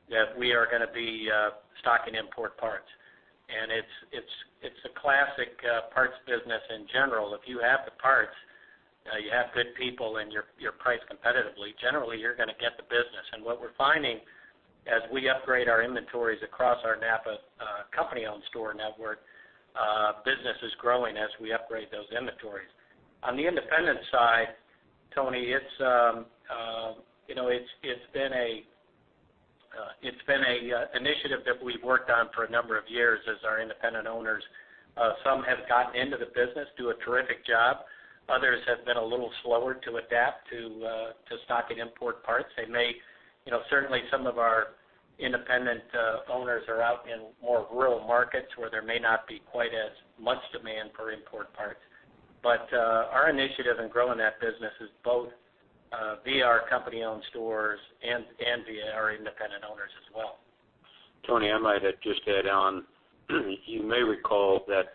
that we are going to be stocking import parts. It's a classic parts business in general. If you have the parts, you have good people and you're priced competitively, generally, you're going to get the business. What we're finding as we upgrade our inventories across our NAPA company-owned store network, business is growing as we upgrade those inventories. On the independent side, Tony, it's been an initiative that we've worked on for a number of years as our independent owners. Some have gotten into the business, do a terrific job. Others have been a little slower to adapt to stocking import parts. Certainly, some of our independent owners are out in more rural markets where there may not be quite as much demand for import parts. Our initiative in growing that business is both via our company-owned stores and via our independent owners as well. Tony, I might just add on, you may recall that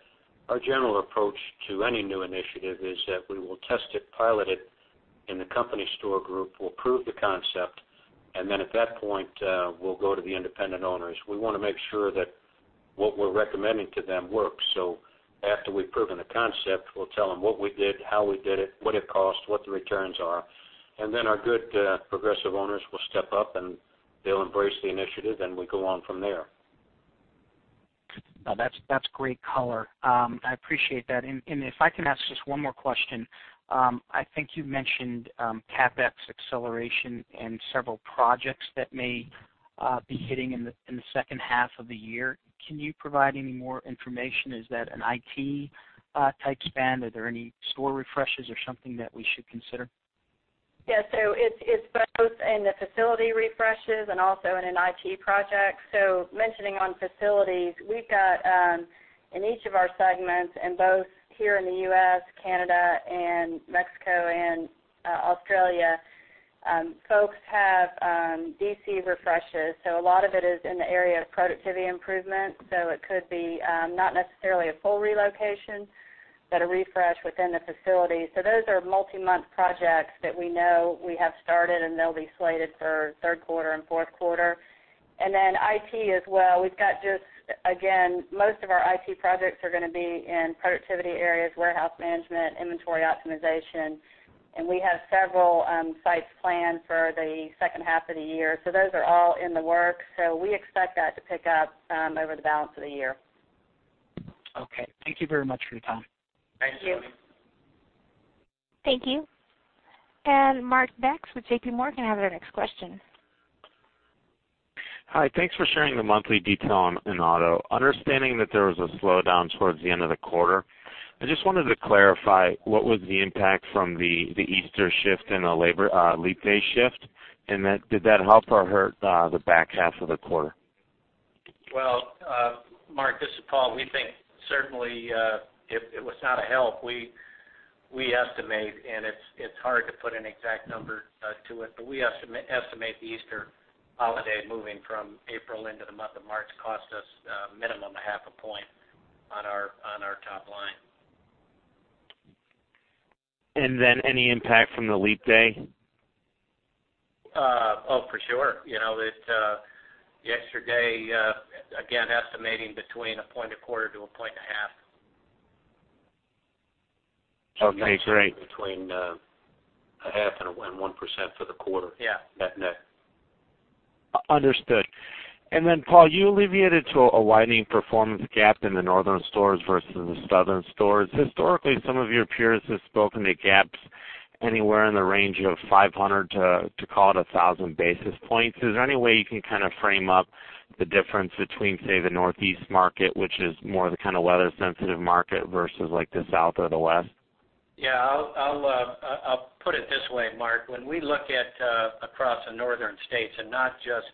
our general approach to any new initiative is that we will test it, pilot it in the company store group. We'll prove the concept, and then at that point, we'll go to the independent owners. We want to make sure that what we're recommending to them works. After we've proven the concept, we'll tell them what we did, how we did it, what it cost, what the returns are, and then our good progressive owners will step up, and they'll embrace the initiative, and we go on from there. No, that's great color. I appreciate that. If I can ask just one more question. I think you mentioned CapEx acceleration and several projects that may be hitting in the second half of the year. Can you provide any more information? Is that an IT type spend? Are there any store refreshes or something that we should consider? Yeah. It's both in the facility refreshes and also in an IT project. Mentioning on facilities, we've got, in each of our segments and both here in the U.S., Canada, and Mexico, and Australia, folks have DC refreshes. A lot of it is in the area of productivity improvement. It could be not necessarily a full relocation, but a refresh within the facility. Those are multi-month projects that we know we have started, and they'll be slated for third quarter and fourth quarter. And then IT as well. We've got just, again, most of our IT projects are going to be in productivity areas, warehouse management, inventory optimization, and we have several sites planned for the second half of the year. Those are all in the works. We expect that to pick up over the balance of the year. Okay. Thank you very much for your time. Thanks, Tony. Thank you. Thank you. Mark Becks with JPMorgan, I have our next question. Hi. Thanks for sharing the monthly detail in auto. Understanding that there was a slowdown towards the end of the quarter, I just wanted to clarify what was the impact from the Easter shift and the leap day shift, and did that help or hurt the back half of the quarter? Well, Mark, this is Paul. We think certainly it was not a help. We estimate, and it's hard to put an exact number to it, but we estimate the Easter holiday moving from April into the month of March cost us a minimum of half a point on our top line. Then any impact from the leap day? Oh, for sure. The extra day, again, estimating between 1.25-1.5. Okay, great. Between a half and 1% for the quarter. Yeah. Net net. Understood. Then, Paul, you alluded to a widening performance gap in the northern stores versus the southern stores. Historically, some of your peers have spoken to gaps anywhere in the range of 500 to call it 1,000 basis points. Is there any way you can kind of frame up the difference between, say, the Northeast market, which is more the kind of weather-sensitive market, versus like the South or the West? Yeah, I'll put it this way, Mark. When we look across the northern states and not just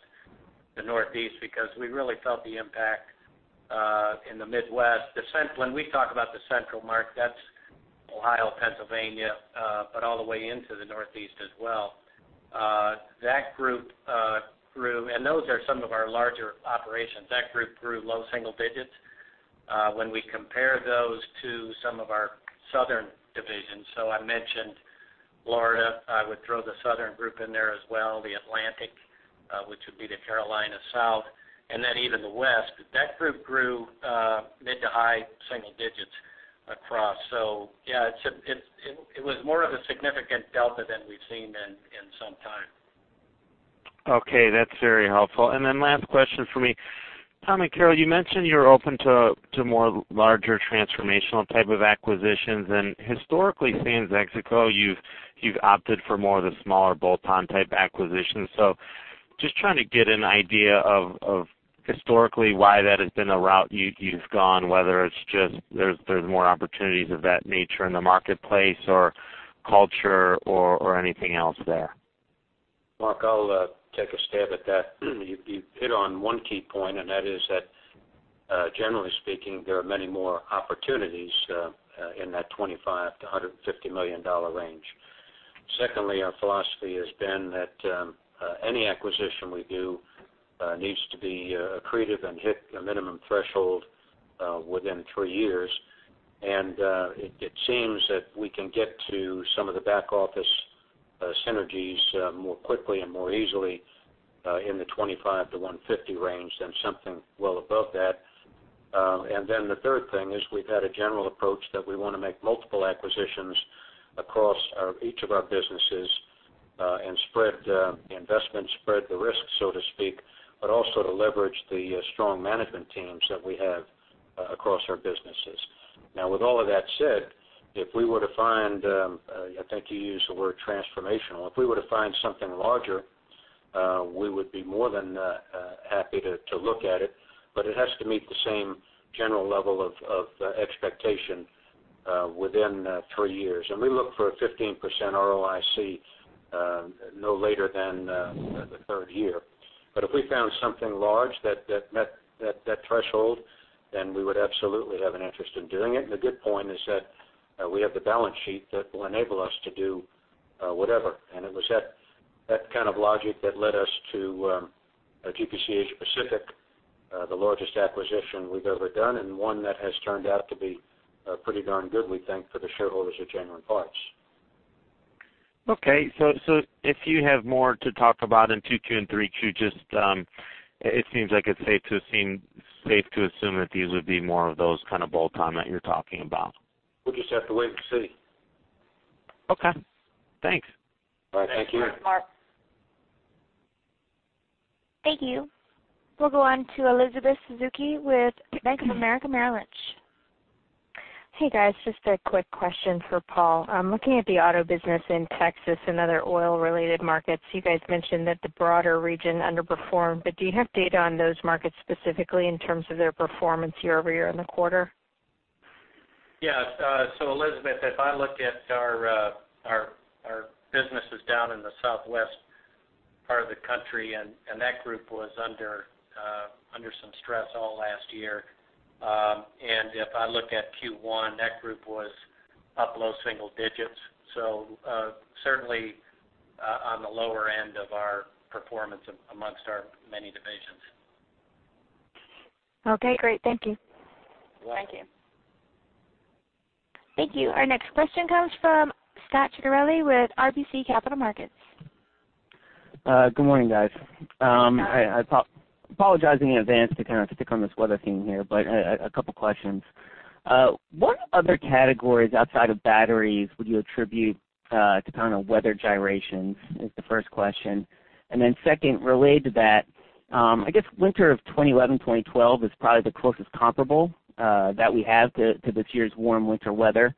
the Northeast, because we really felt the impact in the Midwest. When we talk about the central market, that's Ohio, Pennsylvania, but all the way into the Northeast as well. Those are some of our larger operations. That group grew low single digits. When we compare those to some of our southern divisions. I mentioned Florida, I would throw the southern group in there as well, the Atlantic, which would be the Carolina South, and then even the West. That group grew mid to high single digits across. Yeah, it was more of a significant delta than we've seen in some time. Okay, that's very helpful. Last question for me. Tom and Carol, you mentioned you're open to more larger transformational type of acquisitions. Historically, sans Exego, you've opted for more of the smaller bolt-on type acquisitions. Just trying to get an idea of, historically, why that has been a route you've gone, whether it's just there's more opportunities of that nature in the marketplace or culture or anything else there. Mark, I'll take a stab at that. You hit on one key point, and that is that, generally speaking, there are many more opportunities in that $25 million-$150 million range. Secondly, our philosophy has been that any acquisition we do needs to be accretive and hit a minimum threshold within three years. It seems that we can get to some of the back-office synergies more quickly and more easily in the $25-$150 range than something well above that. The third thing is we've had a general approach that we want to make multiple acquisitions across each of our businesses and spread the investment, spread the risk, so to speak, but also to leverage the strong management teams that we have across our businesses. With all of that said, if we were to find, I think you used the word transformational. If we were to find something larger, we would be more than happy to look at it, but it has to meet the same general level of expectation within three years. We look for a 15% ROIC no later than the third year. If we found something large that met that threshold, we would absolutely have an interest in doing it. The good point is that we have the balance sheet that will enable us to do whatever. It was that kind of logic that led us to GPC Asia Pacific, the largest acquisition we've ever done, and one that has turned out to be pretty darn good, we think, for the shareholders of Genuine Parts. Okay. If you have more to talk about in Q2 and Q3, it seems like it's safe to assume that these would be more of those kind of bolt-on that you're talking about. We'll just have to wait and see. Okay. Thanks. All right. Thank you. Thanks, Mark. Thank you. We'll go on to Elizabeth Suzuki with Bank of America Merrill Lynch. Hey, guys. Just a quick question for Paul. Looking at the auto business in Texas and other oil-related markets, you guys mentioned that the broader region underperformed. Do you have data on those markets specifically in terms of their performance year-over-year in the quarter? Yes. Elizabeth, if I look at our businesses down in the southwest part of the country, that group was under some stress all last year. If I look at Q1, that group was up low single digits. Certainly, on the lower end of our performance amongst our many divisions. Okay, great. Thank you. You're welcome. Thank you. Thank you. Our next question comes from Scot Ciccarelli with RBC Capital Markets. Good morning, guys. I apologize in advance to kind of pick on this weather theme here, but a couple questions. What other categories outside of batteries would you attribute to kind of weather gyrations, is the first question. Second, related to that, I guess winter of 2011-2012 is probably the closest comparable that we have to this year's warm winter weather.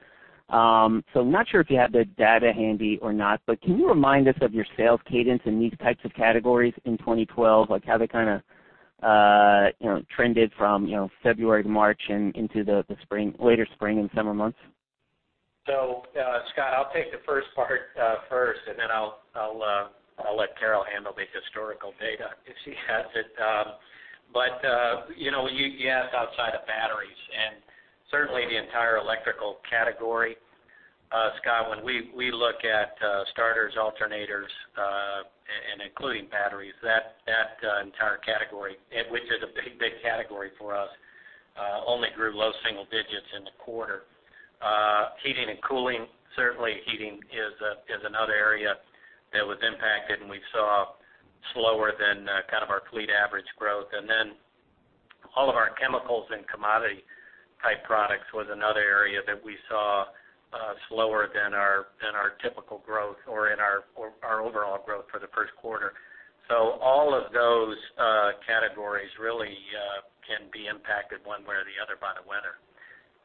I'm not sure if you have the data handy or not, but can you remind us of your sales cadence in these types of categories in 2012? Like how they kind of trended from February to March and into the later spring and summer months? Scot, I'll take the first part first, and then I'll let Carol handle the historical data if she has it. You asked outside of batteries, certainly the entire Electrical category, Scot, when we look at starters, alternators, and including batteries, that entire category, which is a big category for us, only grew low single digits in the quarter. Heating and cooling, certainly heating is another area that was impacted, and we saw slower than our fleet average growth. All of our chemicals and commodity-type products was another area that we saw slower than our typical growth or in our overall growth for the first quarter. All of those categories really can be impacted one way or the other by the weather.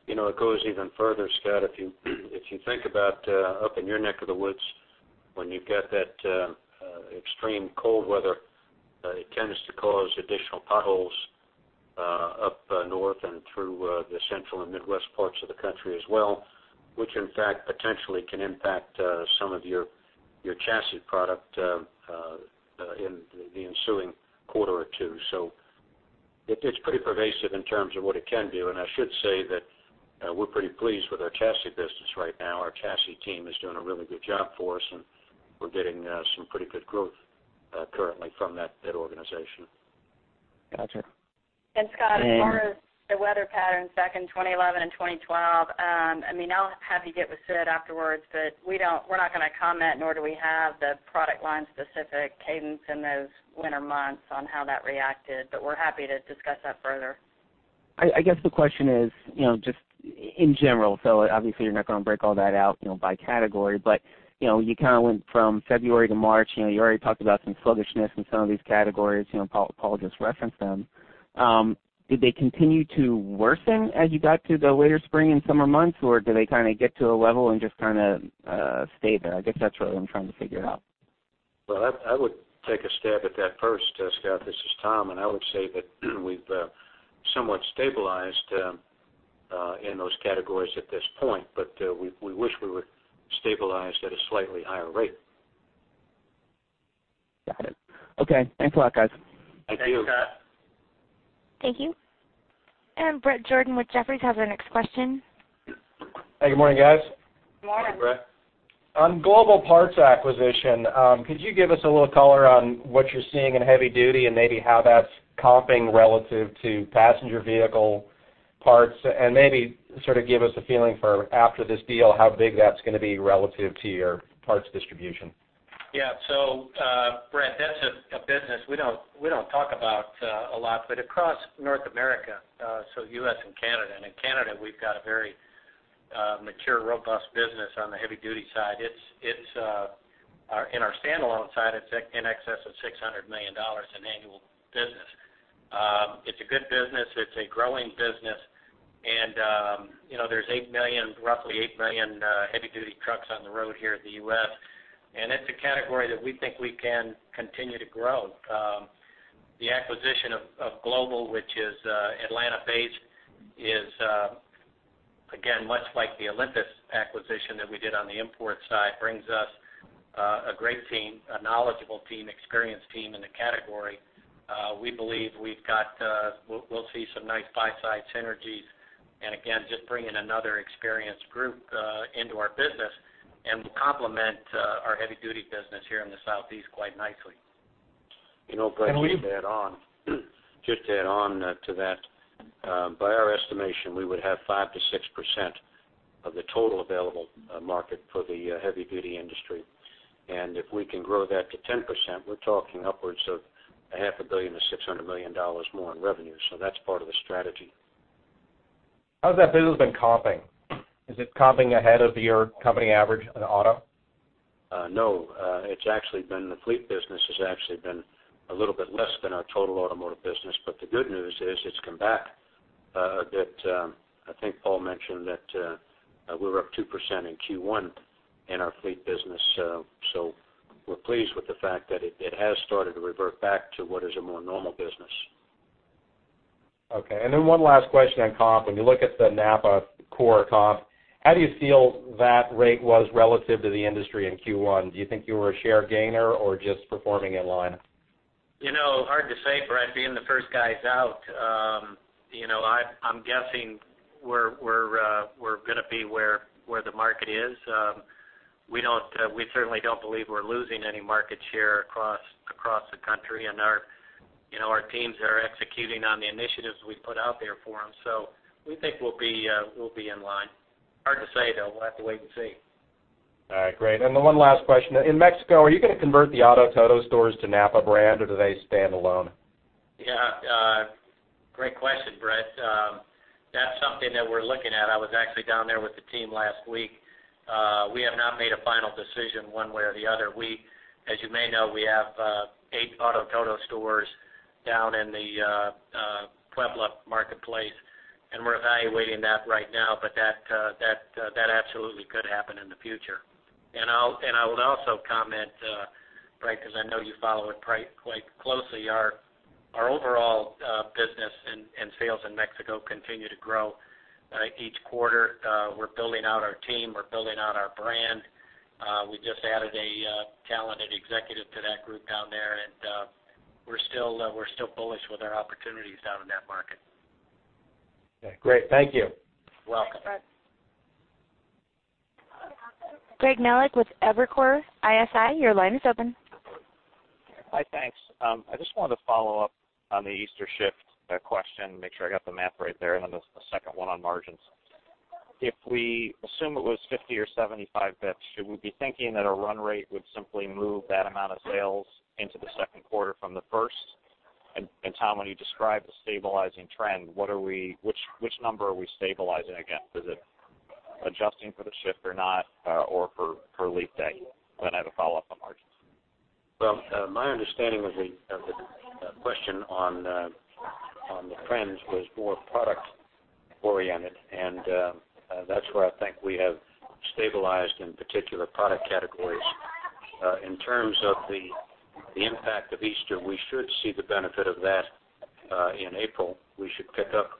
It goes even further, Scot. If you think about up in your neck of the woods, when you've got that extreme cold weather, it tends to cause additional potholes up north and through the central and Midwest parts of the country as well, which in fact, potentially can impact some of your chassis product in the ensuing quarter or two. It's pretty pervasive in terms of what it can do. I should say that we're pretty pleased with our chassis business right now. Our chassis team is doing a really good job for us, and we're getting some pretty good growth currently from that organization. Gotcha. Scot, as far as the weather patterns back in 2011 and 2012, I'll have you get with Sid afterwards, we're not going to comment, nor do we have the product line specific cadence in those winter months on how that reacted, we're happy to discuss that further. The question is, just in general, obviously you're not going to break all that out by category, you went from February to March. You already talked about some sluggishness in some of these categories. Paul just referenced them. Did they continue to worsen as you got to the later spring and summer months, or do they get to a level and just stay there? That's what I'm trying to figure out. Well, I would take a stab at that first, Scot. This is Tom, and I would say that we've somewhat stabilized in those categories at this point. We wish we were stabilized at a slightly higher rate. Got it. Okay. Thanks a lot, guys. Thank you. Thank you, Scot. Thank you. Bret Jordan with Jefferies has our next question. Hey, good morning, guys. Good morning. Good morning, Bret. On Global Parts acquisition, could you give us a little color on what you're seeing in heavy duty and maybe how that's comping relative to passenger vehicle parts and maybe sort of give us a feeling for after this deal, how big that's going to be relative to your parts distribution? Yeah. Bret, that's a business we don't talk about a lot, but across North America, so U.S. and Canada, and in Canada, we've got a very mature, robust business on the heavy-duty side. In our standalone side, it's in excess of $600 million in annual business. It's a good business. It's a growing business. There's roughly 8 million heavy-duty trucks on the road here in the U.S., and it's a category that we think we can continue to grow. The acquisition of Global, which is Atlanta-based, is, again, much like the Olympus acquisition that we did on the import side, brings us a great team, a knowledgeable team, experienced team in the category. We believe we'll see some nice buy-side synergies and again, just bring in another experienced group into our business and complement our heavy-duty business here in the southeast quite nicely. Bret, just to add on to that, by our estimation, we would have 5%-6% of the total available market for the heavy-duty industry. If we can grow that to 10%, we're talking upwards of a half a billion to $600 million more in revenue. That's part of the strategy. How's that business been comping? Is it comping ahead of your company average in auto? The fleet business has actually been a little bit less than our total Automotive business, but the good news is it's come back. I think Paul Donahue mentioned that we were up 2% in Q1 in our fleet business. We're pleased with the fact that it has started to revert back to what is a more normal business. One last question on comp. When you look at the NAPA core comp, how do you feel that rate was relative to the industry in Q1? Do you think you were a share gainer or just performing in line? Hard to say, Bret Jordan, being the first guys out. I'm guessing we're going to be where the market is. We certainly don't believe we're losing any market share across the country, and our teams are executing on the initiatives we put out there for them. We think we'll be in line. Hard to say, though. We'll have to wait and see. Great. One last question. In Mexico, are you going to convert the Auto Todo stores to NAPA brand, or do they stand alone? Yeah. Great question, Bret. That's something that we're looking at. I was actually down there with the team last week. We have not made a final decision one way or the other. As you may know, we have eight Auto Todo stores down in the Puebla marketplace, we're evaluating that right now, but that absolutely could happen in the future. I would also comment, Bret, because I know you follow it quite closely, our overall business and sales in Mexico continue to grow each quarter. We're building out our team. We're building out our brand. We just added a talented executive to that group down there, we're still bullish with our opportunities down in that market. Okay, great. Thank you. You're welcome. Thanks, Bret. Greg Melich with Evercore ISI, your line is open. Hi, thanks. I just wanted to follow up on the Easter shift question, make sure I got the math right there, and the second one on margins. If we assume it was 50 or 75 basis points, should we be thinking that a run rate would simply move that amount of sales into the second quarter from the first? Tom, when you describe the stabilizing trend, which number are we stabilizing against? Is it adjusting for the shift or not or for leap day? I have a follow-up on margins. Well, my understanding of the question on the trends was more product-oriented, and that's where I think we have stabilized in particular product categories. In terms of the impact of Easter, we should see the benefit of that in April. We should pick up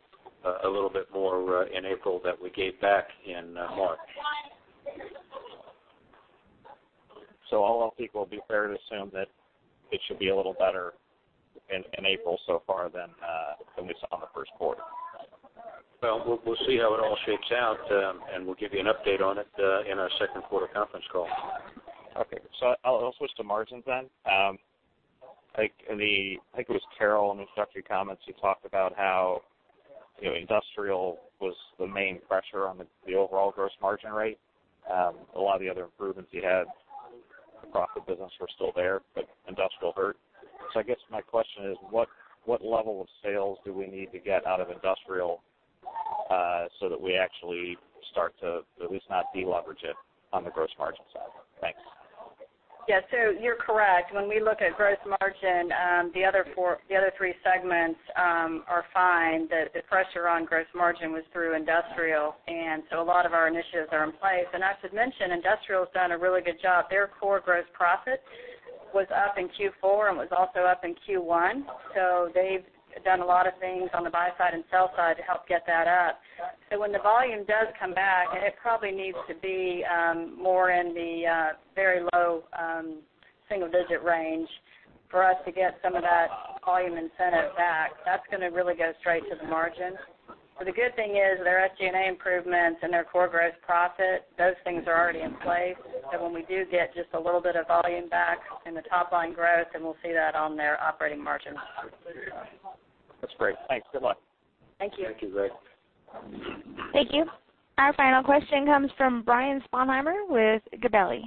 a little bit more in April that we gave back in March. All else equal, it would be fair to assume that it should be a little better in April so far than we saw in the first quarter. Well, we'll see how it all shapes out, and we'll give you an update on it in our second quarter conference call. Okay. I'll switch to margins then. I think it was Carol in her introductory comments, who talked about how Industrial was the main pressure on the overall gross margin rate. A lot of the other improvements you had across the business were still there, Industrial hurt. I guess my question is, what level of sales do we need to get out of industrial so that we actually start to at least not deleverage it on the gross margin side? Thanks. Yes. You're correct. When we look at gross margin, the other three segments are fine. The pressure on gross margin was through Industrial, a lot of our initiatives are in place. I should mention, Industrial's done a really good job. Their core gross profit was up in Q4 and was also up in Q1. They've done a lot of things on the buy side and sell side to help get that up. When the volume does come back, and it probably needs to be more in the very low single-digit range for us to get some of that volume incentive back, that's going to really go straight to the margin. The good thing is their SG&A improvements and their core gross profit, those things are already in place. When we do get just a little bit of volume back in the top-line growth, then we'll see that on their operating margins. That's great. Thanks. Good luck. Thank you. Thank you, Zach. Thank you. Our final question comes from Brian Sponheimer with Gabelli.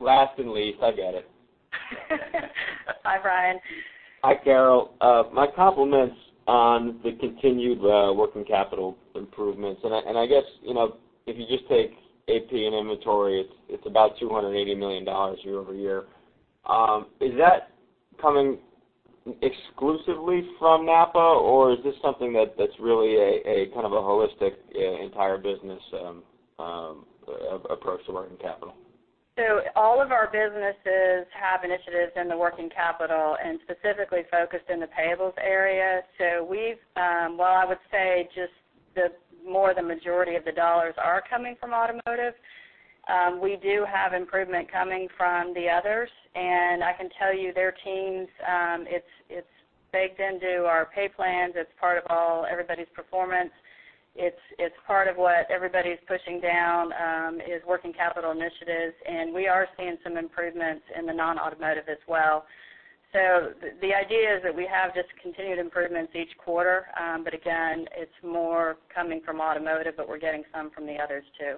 Last and least, I get it. Hi, Brian. Hi, Carol. My compliments on the continued working capital improvements. I guess, if you just take AP and inventory, it's about $280 million year-over-year. Is that coming exclusively from NAPA, or is this something that's really a kind of a holistic, entire business approach to working capital? All of our businesses have initiatives in the working capital and specifically focused in the payables area. While I would say just the majority of the dollars are coming from Automotive, we do have improvement coming from the others, and I can tell you, their teams, it's baked into our pay plans. It's part of everybody's performance. It's part of what everybody's pushing down is working capital initiatives, and we are seeing some improvements in the non-Automotive as well. The idea is that we have just continued improvements each quarter. Again, it's more coming from Automotive, but we're getting some from the others, too.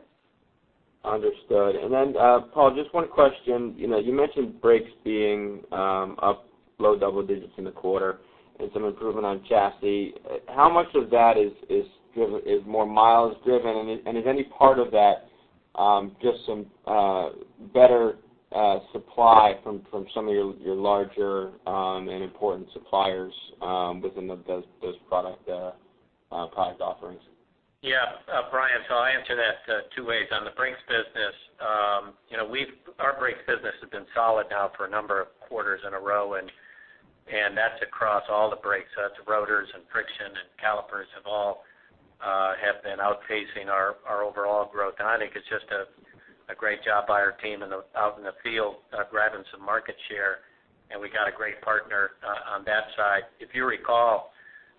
Understood. Then, Paul, just one question. You mentioned brakes being up low double digits in the quarter and some improvement on chassis. How much of that is more miles driven, and is any part of that just some better supply from some of your larger and important suppliers within those product offerings? Brian, I'll answer that two ways. On the brakes business, our brakes business has been solid now for a number of quarters in a row, and that's across all the brakes. That's rotors and friction and calipers have all been outpacing our overall growth. I think it's just a great job by our team out in the field grabbing some market share, and we've got a great partner on that side. If you recall,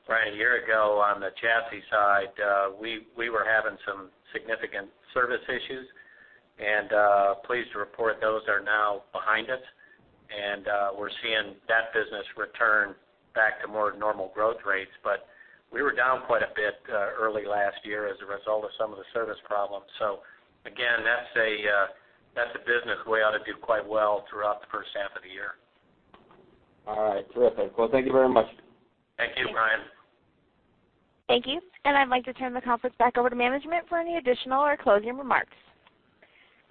Brian, a year ago, on the chassis side, we were having some significant service issues, and pleased to report those are now behind us, and we're seeing that business return back to more normal growth rates. We were down quite a bit early last year as a result of some of the service problems. Again, that's a business we ought to do quite well throughout the first half of the year. All right. Terrific. Thank you very much. Thank you, Brian. Thank you. I'd like to turn the conference back over to management for any additional or closing remarks.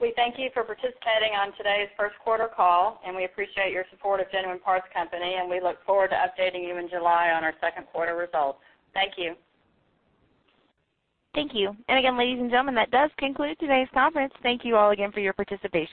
We thank you for participating on today's first quarter call, and we appreciate your support of Genuine Parts Company, and we look forward to updating you in July on our second quarter results. Thank you. Thank you. Again, ladies and gentlemen, that does conclude today's conference. Thank you all again for your participation.